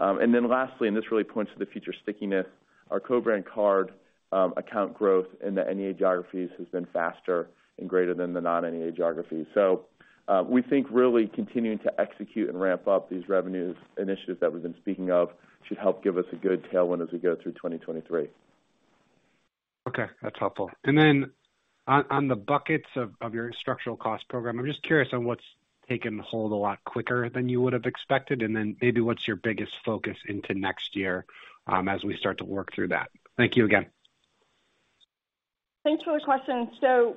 [SPEAKER 7] Then lastly, and this really points to the future stickiness, our co-brand card account growth in the NEA geographies has been faster and greater than the non-NEA geographies. We think really continuing to execute and ramp up these revenues initiatives that we've been speaking of should help give us a good tailwind as we go through 2023.
[SPEAKER 10] Okay, that's helpful. Then on the buckets of your structural cost program, I'm just curious on what's taken hold a lot quicker than you would have expected, and then maybe what's your biggest focus into next year, as we start to work through that. Thank you again.
[SPEAKER 4] Thanks for the question.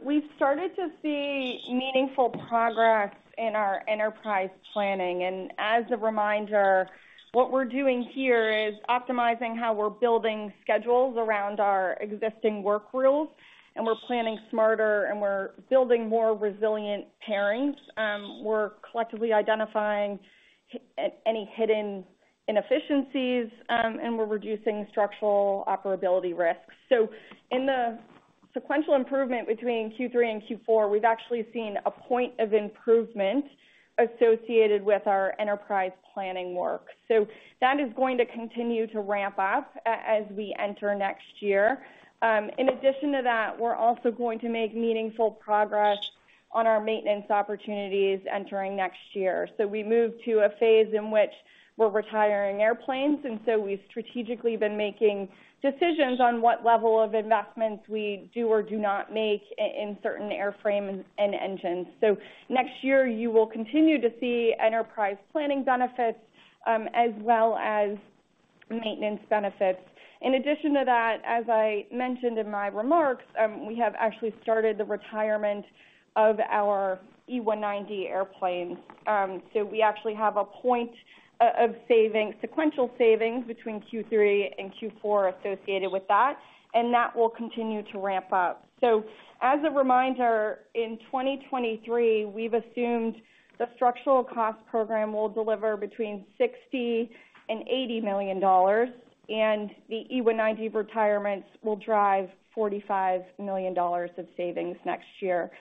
[SPEAKER 4] We've started to see meaningful progress in our enterprise planning, and as a reminder, what we're doing here is optimizing how we're building schedules around our existing work rules, and we're planning smarter, and we're building more resilient pairings. We're collectively identifying any hidden inefficiencies, and we're reducing structural operability risks. In the sequential improvement between Q3 and Q4, we've actually seen a point of improvement associated with our enterprise planning work. That is going to continue to ramp up as we enter next year. In addition to that, we're also going to make meaningful progress on our maintenance opportunities entering next year. We move to a phase in which we're retiring airplanes, and so we've strategically been making decisions on what level of investments we do or do not make in certain airframes and engines. Next year you will continue to see enterprise planning benefits, as well as maintenance benefits. In addition to that, as I mentioned in my remarks, we have actually started the retirement of our E190 airplanes. We actually have sequential savings between Q3 and Q4 associated with that, and that will continue to ramp up. As a reminder, in 2023, we've assumed the structural cost program will deliver between $60 million and $80 million, and the E190 retirements will drive $45 million of savings next year.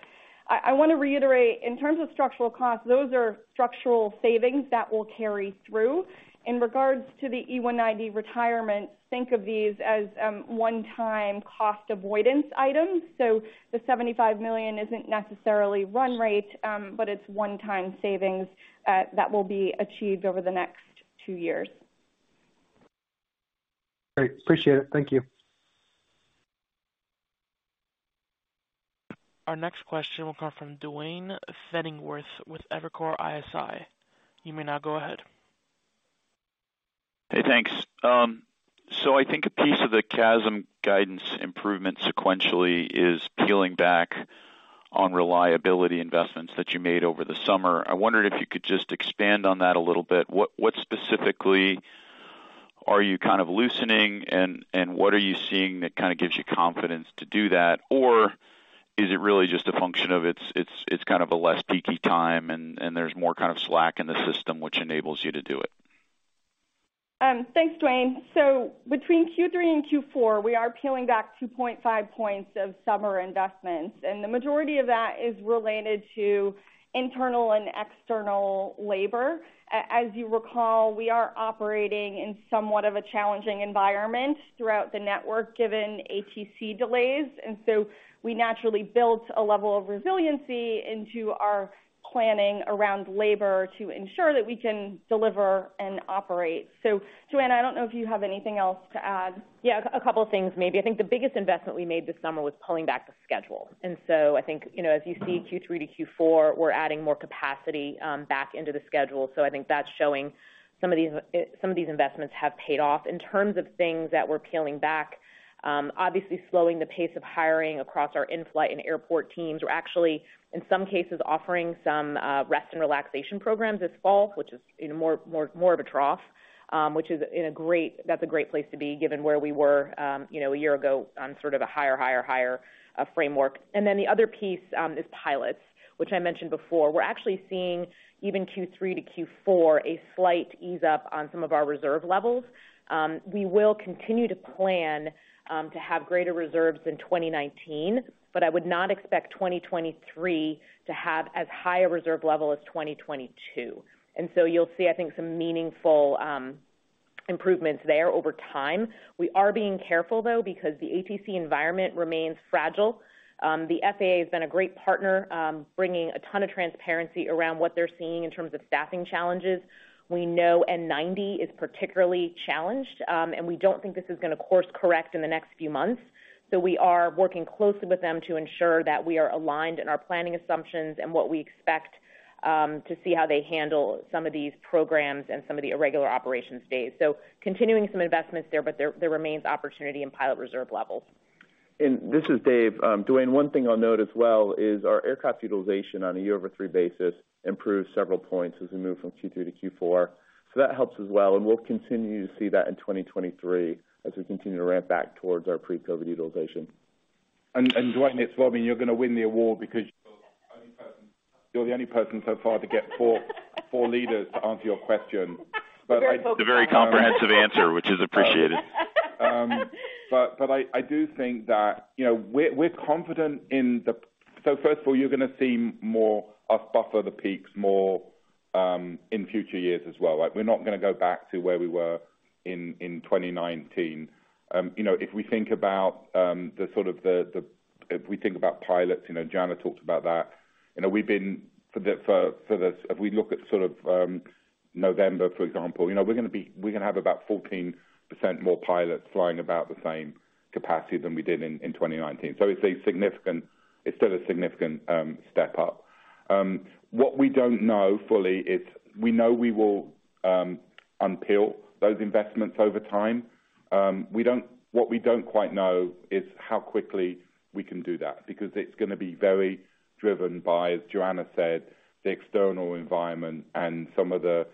[SPEAKER 4] I wanna reiterate. In terms of structural costs, those are structural savings that will carry through. In regards to the E190 retirement, think of these as one-time cost avoidance items. The $75 million isn't necessarily run rate, but it's one-time savings that will be achieved over the next 2 years.
[SPEAKER 10] Great. Appreciate it. Thank you.
[SPEAKER 11] Hey, thanks. I think a piece of the CASM guidance improvement sequentially is peeling back on reliability investments that you made over the summer. I wondered if you could just expand on that a little bit. What specifically are you loosening and what are you seeing that gives you confidence to do that? Or is it really just a function of it's a less peaky time and there's more slack in the system which enables you to do it?
[SPEAKER 4] Thanks, Duane. Between Q3 and Q4 we are peeling back 2.5 points of summer investments and the majority of that is related to internal and external labor. As you recall, we are operating in somewhat of a challenging environment throughout the network given ATC delays, and so we naturally built a level of resiliency into our planning around labor to ensure that we can deliver and operate. Joanna, I don't know if you have anything else to add.
[SPEAKER 3] Yeah, a couple of things maybe. I think the biggest investment we made this summer was pulling back the schedule. I think, as you see Q3 to Q4, we're adding more capacity back into the schedule. I think that's showing some of these investments have paid off. In terms of things that we're peeling back, obviously slowing the pace of hiring across our in-flight and airport teams. We're actually in some cases offering some rest and relaxation programs this fall, which is more of a trough, which is a great place to be given where we were, a year ago on sort of a higher framework. The other piece is pilots, which I mentioned before. We're actually seeing even Q3 to Q4 a slight ease up on some of our reserve levels. We will continue to plan to have greater reserves in 2019, but I would not expect 2023 to have as high a reserve level as 2022. You'll see, I think, some meaningful improvements there over time. We are being careful though because the ATC environment remains fragile. The FAA has been a great partner, bringing a ton of transparency around what they're seeing in terms of staffing challenges. We know N90 is particularly challenged, and we don't think this is going to course correct in the next few months. We are working closely with them to ensure that we are aligned in our planning assumptions and what we expect to see how they handle some of these programs and some of the irregular operations days. Continuing some investments there, but there remains opportunity in pilot reserve levels.
[SPEAKER 7] This is Dave. Duane, one thing I'll note as well is our aircraft utilization on a year over three basis improves several points as we move from Q3 to Q4. That helps as well and we'll continue to see that in 2023 as we continue to ramp back towards our pre-COVID utilization.
[SPEAKER 2] Duane, it's Robin. You're going to win the award because you're the only person so far to get four leaders to answer your question.
[SPEAKER 11] It's a very comprehensive answer which is appreciated.
[SPEAKER 2] I do think that, we're confident. First of all, you're going to see more of us buffer the peaks more in future years as well, right? We're not going to go back to where we were in 2019. If we think about pilots, Joanna talked about that. If we look at sort of November, for example, we're gonna have about 14% more pilots flying about the same capacity than we did in 2019. It's still a significant step up. What we don't know fully is, we know we will unpeel those investments over time. What we don't quite know is how quickly we can do that because it's gonna be very driven by, as Joanna said, the external environment and some of the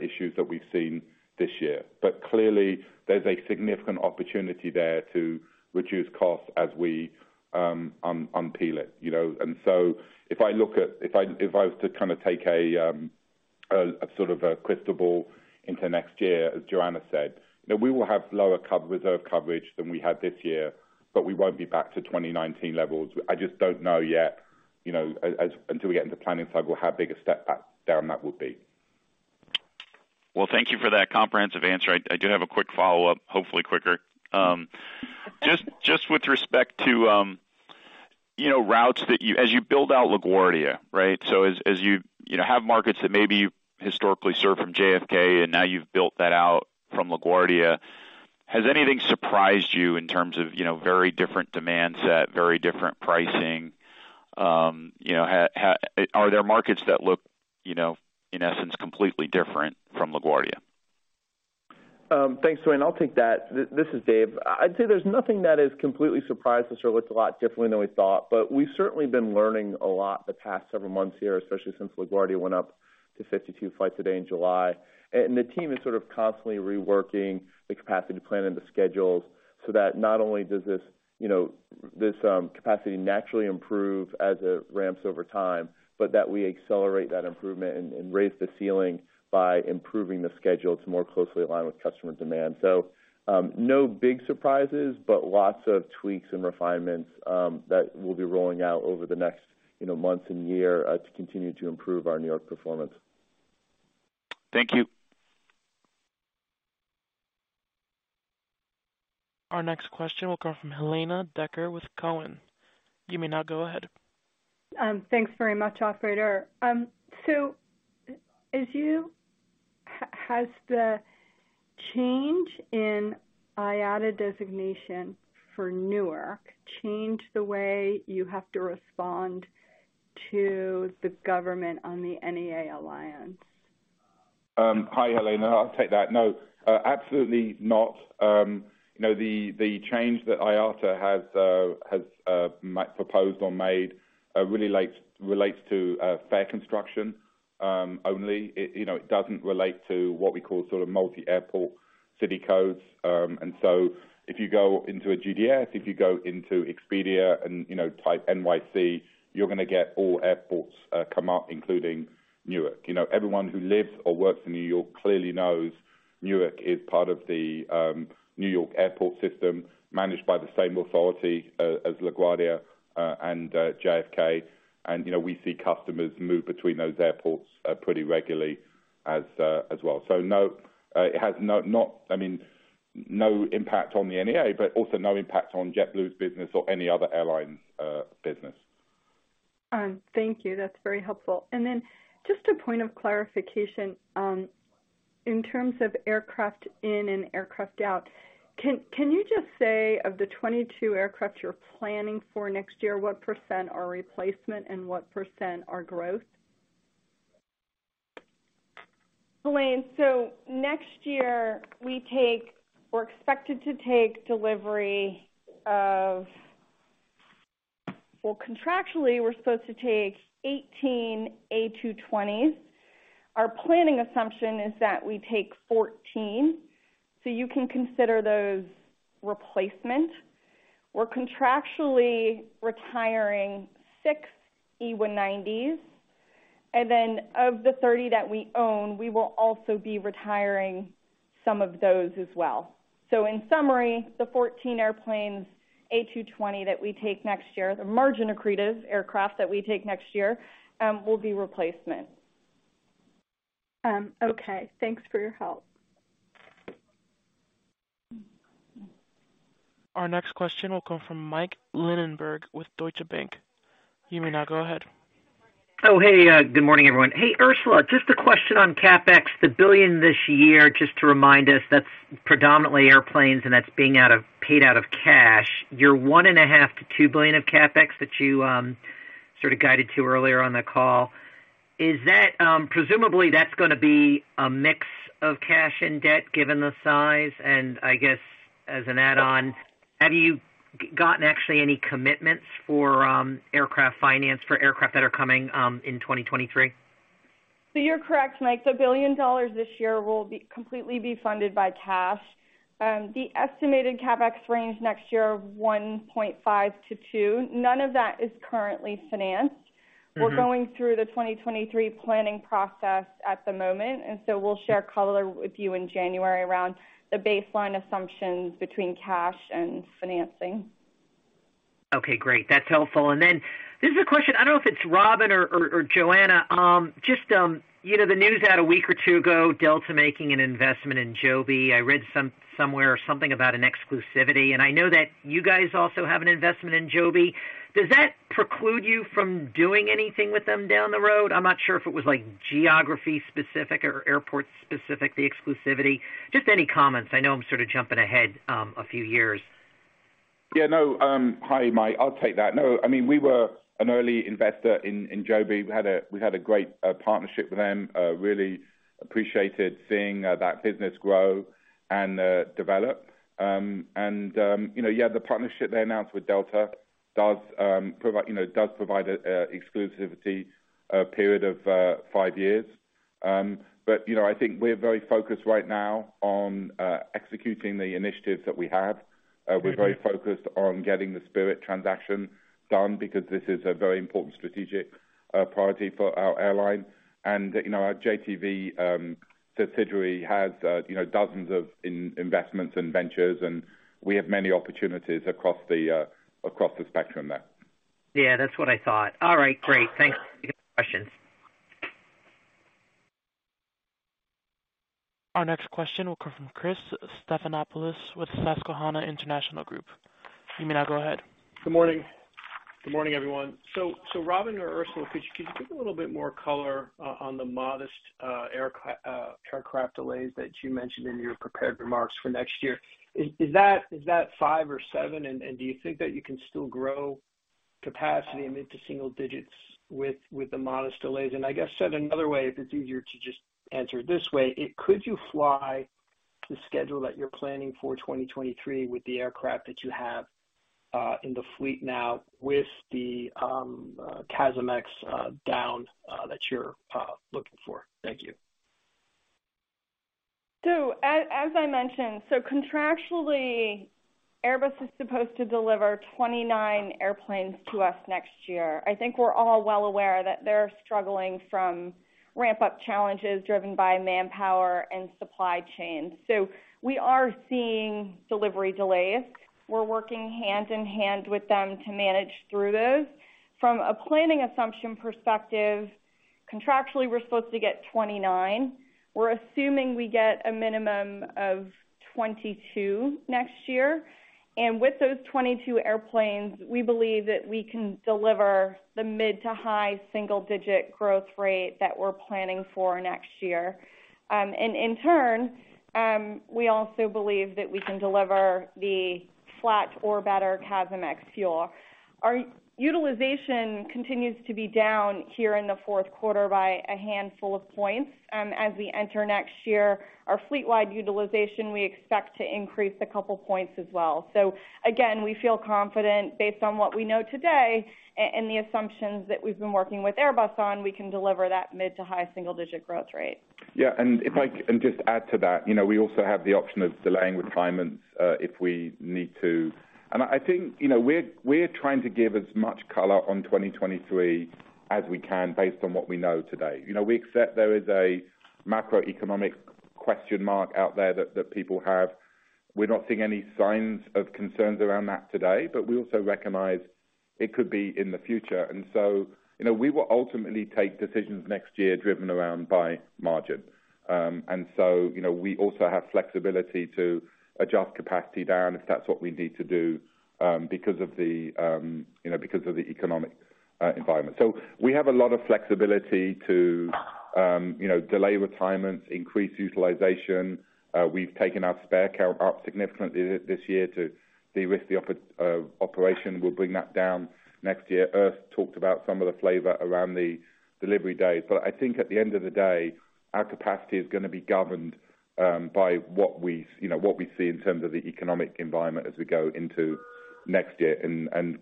[SPEAKER 2] issues that we've seen this year. Clearly there's a significant opportunity there to reduce costs as we unpeel it? If I was to take a sort of a crystal ball into next year, as Joanna said, we will have lower crew reserve coverage than we had this year, but we won't be back to 2019 levels. I just don't know yet, until we get into planning cycle, how big a step back down that will be.
[SPEAKER 11] Well, thank you for that comprehensive answer. I do have a quick follow-up, hopefully quicker. Just with respect to, routes as you build out LaGuardia, right? As have markets that maybe you historically served from JFK and now you've built that out from LaGuardia, has anything surprised you in terms of, very different demand set, very different pricing? Are there markets that look, in essence, completely different from LaGuardia?
[SPEAKER 7] Thanks, Duane. This is Dave. I'd say there's nothing that has completely surprised us or looked a lot differently than we thought, but we've certainly been learning a lot the past several months here, especially since LaGuardia went up to 52 flights a day in July. The team is sort of constantly reworking the capacity plan and the schedules so that not only does this, this capacity naturally improve as it ramps over time, but that we accelerate that improvement and raise the ceiling by improving the schedule to more closely align with customer demand. No big surprises, but lots of tweaks and refinements that we'll be rolling out over the next, months and year to continue to improve our New York performance.
[SPEAKER 11] Thank you.
[SPEAKER 12] Thanks very much, operator. Has the change in IATA designation for Newark changed the way you have to respond to the government on the NEA alliance?
[SPEAKER 2] Hi, Helane. I'll take that. No, absolutely not. The change that IATA has or might propose or has made really relates to fare construction only. It, doesn't relate to what we call sort of multi-airport city codes. If you go into a GDS, if you go into Expedia and, type NYC, you're gonna get all airports come up, including Newark. Everyone who lives or works in New York clearly knows Newark is part of the New York airport system managed by the same authority as LaGuardia and JFK. We see customers move between those airports pretty regularly as well. No, it has not. I mean, no impact on the NEA, but also no impact on JetBlue's business or any other airline's business.
[SPEAKER 12] Thank you. That's very helpful. Then just a point of clarification, in terms of aircraft in and aircraft out, can you just say of the 22 aircraft you're planning for next year, what % are replacement and what % are growth?
[SPEAKER 4] Helane, next year we're expected to take delivery of. Well, contractually, we're supposed to take 18 A220s. Our planning assumption is that we take 14, so you can consider those replacement. We're contractually retiring 6 E190s. Of the 30 that we own, we will also be retiring some of those as well. In summary, the 14 airplanes A220 that we take next year, the margin-accretive aircraft that we take next year, will be replacement.
[SPEAKER 12] Okay. Thanks for your help.
[SPEAKER 13] Good morning, everyone. Hey, Ursula, just a question on CapEx, the $1 billion this year, just to remind us, that's predominantly airplanes, and that's paid out of cash. Your $1.5 billion-$2 billion of CapEx that you sort of guided to earlier on the call, is that presumably that's gonna be a mix of cash and debt given the size? I guess as an add-on, have you gotten actually any commitments for aircraft finance for aircraft that are coming in 2023?
[SPEAKER 4] You're correct, Mike. The $1 billion this year will be completely funded by cash. The estimated CapEx range next year of $1.5 billion-$2 billion. None of that is currently financed.
[SPEAKER 13] Mm-hmm.
[SPEAKER 4] We're going through the 2023 planning process at the moment, and so we'll share color with you in January around the baseline assumptions between cash and financing.
[SPEAKER 13] Okay, great. That's helpful. This is a question, I don't know if it's Robin or Joanna. Just the news out a week or two ago, Delta making an investment in Joby. I read somewhere something about an exclusivity, and I know that you guys also have an investment in Joby. Does that preclude you from doing anything with them down the road? I'm not sure if it was like geography specific or airport specific, the exclusivity. Just any comments. I know I'm sort of jumping ahead a few years.
[SPEAKER 2] Yeah, no, hi, Mike. I'll take that. No, I mean, we were an early investor in Joby. We had a great partnership with them, really appreciated seeing that business grow and develop. The partnership they announced with Delta does provide a exclusivity period of 5 years. I think we're very focused right now on executing the initiatives that we have.
[SPEAKER 13] Mm-hmm.
[SPEAKER 2] We're very focused on getting the Spirit transaction done because this is a very important strategic priority for our airline. Our JTV subsidiary has, dozens of investments and ventures, and we have many opportunities across the spectrum there.
[SPEAKER 13] Yeah, that's what I thought. All right, great. Thanks. Good questions.
[SPEAKER 14] Good morning. Good morning, everyone. Robin or Ursula, could you give a little bit more color on the modest aircraft delays that you mentioned in your prepared remarks for next year? Is that 5 or 7? Do you think that you can still grow capacity mid- to single-digits% with the modest delays? I guess said another way, if it's easier to just answer it this way, could you fly the schedule that you're planning for 2023 with the aircraft that you have in the fleet now with the CASMx down that you're looking for? Thank you.
[SPEAKER 4] I mentioned, contractually Airbus is supposed to deliver 29 airplanes to us next year. I think we're all well aware that they're struggling from ramp-up challenges driven by manpower and supply chain. We are seeing delivery delays. We're working hand in hand with them to manage through those. From a planning assumption perspective, contractually, we're supposed to get 29. We're assuming we get a minimum of 22 next year. With those 22 airplanes, we believe that we can deliver the mid- to high single-digit growth rate that we're planning for next year. In turn, we also believe that we can deliver the flat or better CASM ex-fuel. Our utilization continues to be down here in the Q4 by a handful of points. As we enter next year, our fleet-wide utilization, we expect to increase a couple points as well. Again, we feel confident based on what we know today and the assumptions that we've been working with Airbus on, we can deliver that mid- to high single-digit growth rate.
[SPEAKER 2] Yeah. If I can just add to that, we also have the option of delaying retirements if we need to. I think, we're trying to give as much color on 2023 as we can based on what we know today. We accept there is a macroeconomic question mark out there that people have. We're not seeing any signs of concerns around that today, but we also recognize it could be in the future. We will ultimately take decisions next year driven by margin. We also have flexibility to adjust capacity down if that's what we need to do because of the economic environment. We have a lot of flexibility to delay retirements, increase utilization. We've taken our spare count up significantly this year to de-risk the operation. We'll bring that down next year. Ursula talked about some of the flavor around the delivery date. I think at the end of the day, our capacity is gonna be governed by what we see in terms of the economic environment as we go into next year.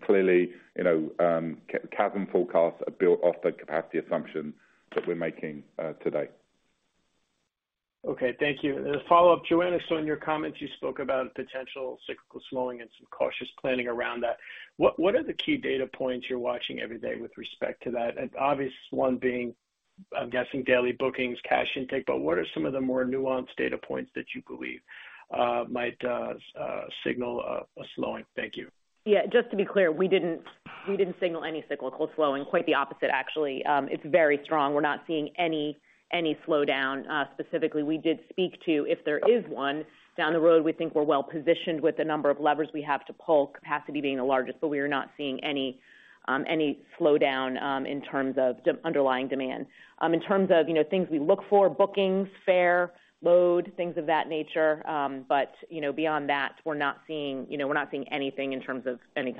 [SPEAKER 2] Clearly, CASM forecasts are built off the capacity assumption that we're making today.
[SPEAKER 14] Okay, thank you. As a follow-up, Joanna, I saw in your comments you spoke about potential cyclical slowing and some cautious planning around that. What are the key data points you're watching every day with respect to that? An obvious one being, I'm guessing daily bookings, cash intake, but what are some of the more nuanced data points that you believe might signal a slowing? Thank you.
[SPEAKER 4] Yeah. Just to be clear, we didn't signal any cyclical slowing. Quite the opposite, actually. It's very strong. We're not seeing any slowdown. Specifically, we did speak to if there is one down the road, we think we're well-positioned with the number of levers we have to pull, capacity being the largest. We are not seeing any slowdown in terms of underlying demand. In terms of, things we look for, bookings, fare, load, things of that nature. Beyond that, we're not seeing anything in terms of any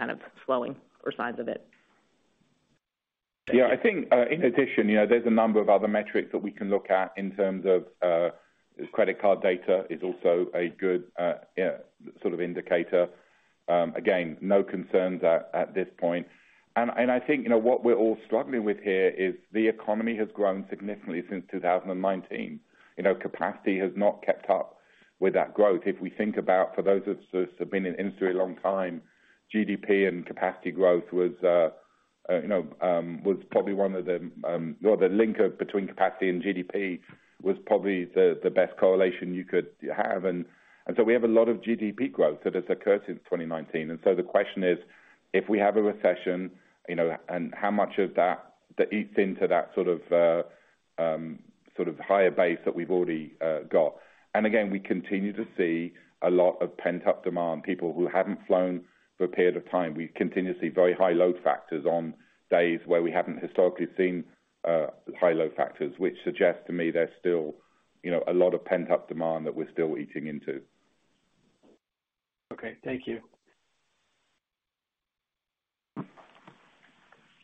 [SPEAKER 4] slowing or signs of it.
[SPEAKER 2] Yeah. I think in addition, there's a number of other metrics that we can look at in terms of credit card data is also a good sort of indicator. Again, no concerns at this point. I think, what we're all struggling with here is the economy has grown significantly since 2019. Capacity has not kept up with that growth. If we think about for those of us who have been in industry a long time, GDP and capacity growth was probably one of the, well, the link between capacity and GDP was probably the best correlation you could have. We have a lot of GDP growth that has occurred since 2019. The question is, if we have a recession, and how much of that that eats into that sort of sort of higher base that we've already got. We continue to see a lot of pent-up demand, people who haven't flown for a period of time. We continue to see very high load factors on days where we haven't historically seen high load factors, which suggests to me there's still, a lot of pent-up demand that we're still eating into.
[SPEAKER 14] Okay. Thank you.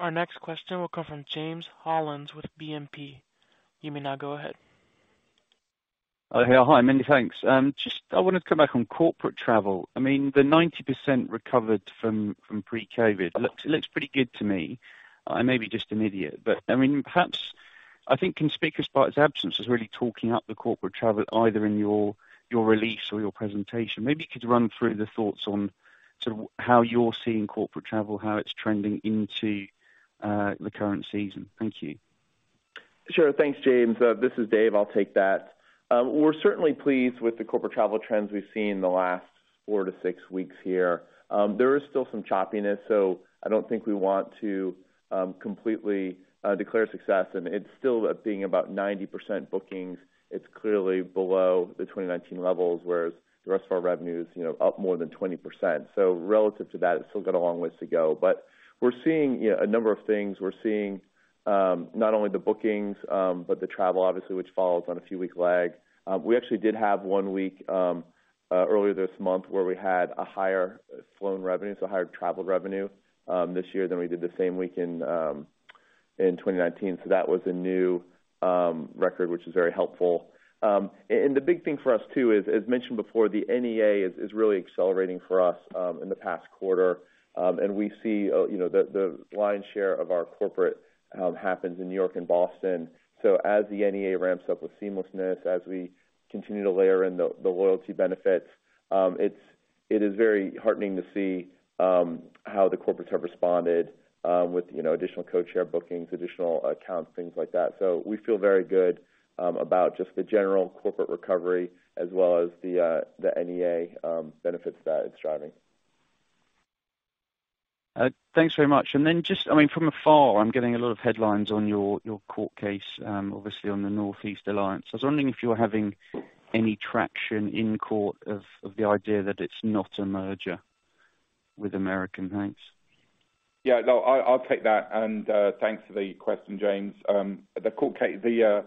[SPEAKER 8] Oh, hey. Hi, many thanks. Just I wanted to come back on corporate travel. I mean, the 90% recovered from pre-COVID looks pretty good to me. I may be just an idiot, but I mean, perhaps I think conspicuous by its absence is really talking up the corporate travel either in your release or your presentation. Maybe you could run through the thoughts on sort of how you're seeing corporate travel, how it's trending into the current season. Thank you.
[SPEAKER 7] Sure. Thanks, Jamie. This is Dave. I'll take that. We're certainly pleased with the corporate travel trends we've seen in the last 4-6 weeks here. There is still some choppiness, so I don't think we want to completely declare success. It's still being about 90% bookings. It's clearly below the 2019 levels, whereas the rest of our revenue is, up more than 20%. So relative to that, it's still got a long ways to go. We're seeing, a number of things. We're seeing not only the bookings, but the travel obviously, which follows on a few weeks lag. We actually did have one week earlier this month where we had a higher flown revenue, so higher travel revenue, this year than we did the same week in 2019. That was a new record, which is very helpful. The big thing for us too is, as mentioned before, the NEA is really accelerating for us in the past quarter. We see the lion's share of our corporate happens in New York and Boston. As the NEA ramps up with seamlessness, as we continue to layer in the loyalty benefits, it is very heartening to see how the corporates have responded with additional codeshare bookings, additional accounts. We feel very good about just the general corporate recovery as well as the NEA benefits that it's driving.
[SPEAKER 8] Thanks very much. Just, I mean, from afar, I'm getting a lot of headlines on your court case, obviously on the Northeast Alliance. I was wondering if you were having any traction in court of the idea that it's not a merger with American Airlines.
[SPEAKER 2] Yeah, no, I'll take that. Thanks for the question, Jamie. The court case, the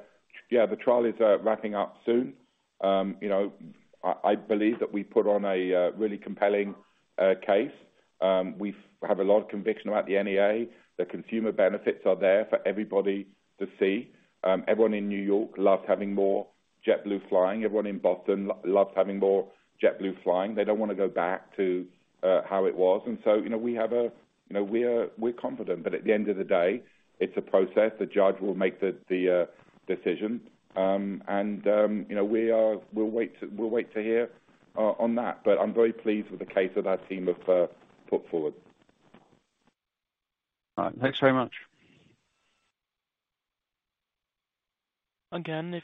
[SPEAKER 2] trial is wrapping up soon. I believe that we put on a really compelling case. We have a lot of conviction about the NEA. The consumer benefits are there for everybody to see. Everyone in New York loves having more JetBlue flying. Everyone in Boston loves having more JetBlue flying. They don't wanna go back to how it was. We have a. we're confident. At the end of the day, it's a process. The judge will make the decision. We'll wait to hear on that. I'm very pleased with the case that our team have put forward.
[SPEAKER 15] All right. Thanks very much.
[SPEAKER 16] Oh, hey,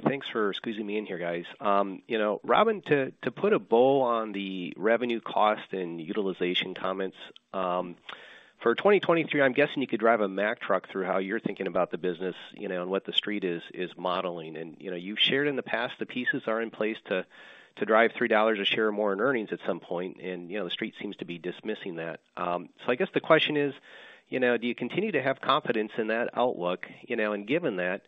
[SPEAKER 16] thanks for squeezing me in here, guys. Robin, to put a bow on the revenue cost and utilization comments, for 2023, I'm guessing you could drive a Mack truck through how you're thinking about the business, and what the Street is modeling. You've shared in the past the pieces are in place to drive $3 a share more in earnings at some point. The Street seems to be dismissing that. So I guess the question is, do you continue to have confidence in that outlook? Given that,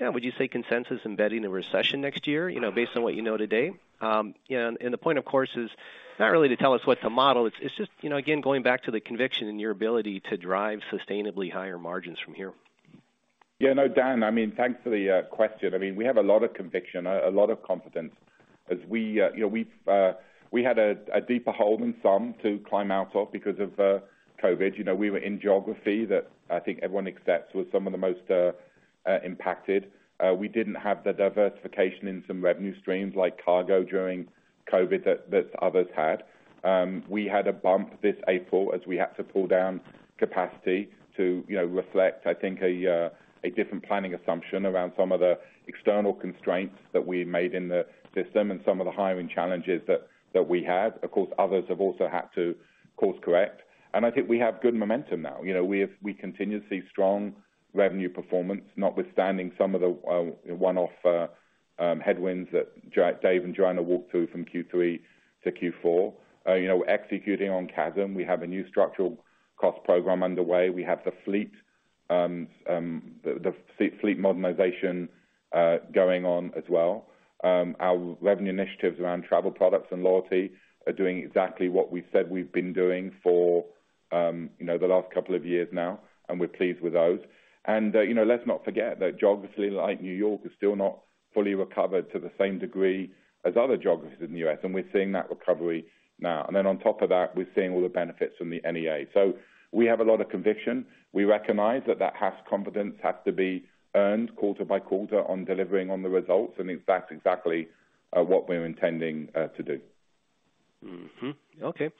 [SPEAKER 16] yeah, would you say consensus embedding a recession next year, based on what today? And the point, of course, is not really to tell us what's the model. It's just, again, going back to the conviction in your ability to drive sustainably higher margins from here.
[SPEAKER 2] Yeah, no, Dan, I mean, thanks for the question. I mean, we have a lot of conviction, a lot of confidence as we, had a deeper hole than some to climb out of because of COVID, we were in geography that I think everyone accepts was some of the most impacted. We didn't have the diversification in some revenue streams like cargo during COVID that others had. We had a bump this April as we had to pull down capacity to, reflect, I think, a different planning assumption around some of the external constraints that we made in the system and some of the hiring challenges that we had. Of course, others have also had to course correct. I think we have good momentum now. We continue to see strong revenue performance, notwithstanding some of the one-off headwinds that Dave and Joanna walked through from Q3 to Q4. Executing on CASM, we have a new structural cost program underway. We have the fleet modernization going on as well. Our revenue initiatives around travel products and loyalty are doing exactly what we said we've been doing for, the last couple of years now, and we're pleased with those. Let's not forget that geographies like New York are still not fully recovered to the same degree as other geographies in the U.S., and we're seeing that recovery now. On top of that, we're seeing all the benefits from the NEA. We have a lot of conviction. We recognize that confidence has to be earned quarter by quarter on delivering on the results, and that's exactly what we're intending to do.
[SPEAKER 16] Okay.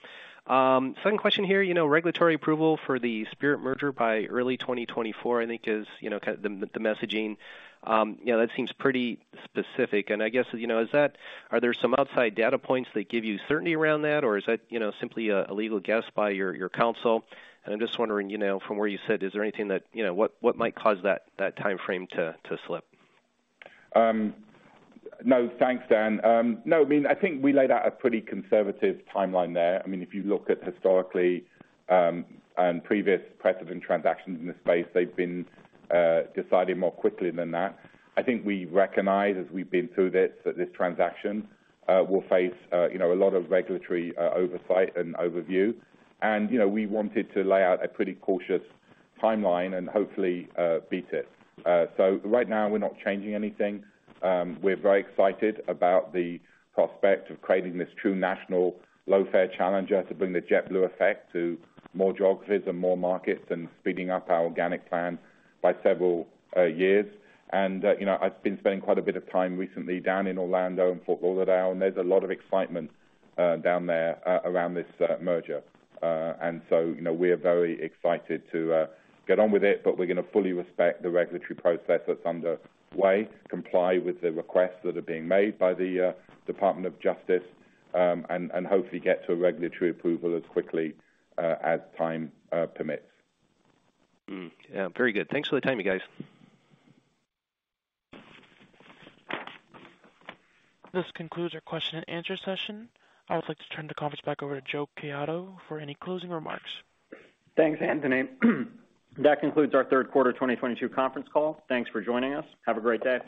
[SPEAKER 16] Second question here. Regulatory approval for the Spirit merger by early 2024, I think is key to the messaging. That seems pretty specific. I guess, is that? Are there some outside data points that give you certainty around that? Or is that, simply a legal guess by your counsel? I'm just wondering, from where you sit, is there anything that, what might cause that timeframe to slip?
[SPEAKER 2] No, thanks, Dan. No, I mean, I think we laid out a pretty conservative timeline there. I mean, if you look at historically, and previous precedent transactions in this space, they've been, decided more quickly than that. I think we recognize as we've been through this, that this transaction, will face, a lot of regulatory, oversight and overview. We wanted to lay out a pretty cautious timeline and hopefully, beat it. Right now we're not changing anything. We're very excited about the prospect of creating this true national low fare challenger to bring the JetBlue effect to more geographies and more markets and speeding up our organic plans by several, years. I've been spending quite a bit of time recently down in Orlando and Fort Lauderdale, and there's a lot of excitement down there around this merger. We're very excited to get on with it, but we're gonna fully respect the regulatory process that's underway, comply with the requests that are being made by the Department of Justice, and hopefully get to a regulatory approval as quickly as time permits.
[SPEAKER 16] Yeah, very good. Thanks for the time, you guys. Thanks, Anthony. That concludes our Q3 2022 conference call. Thanks for joining us. Have a great day.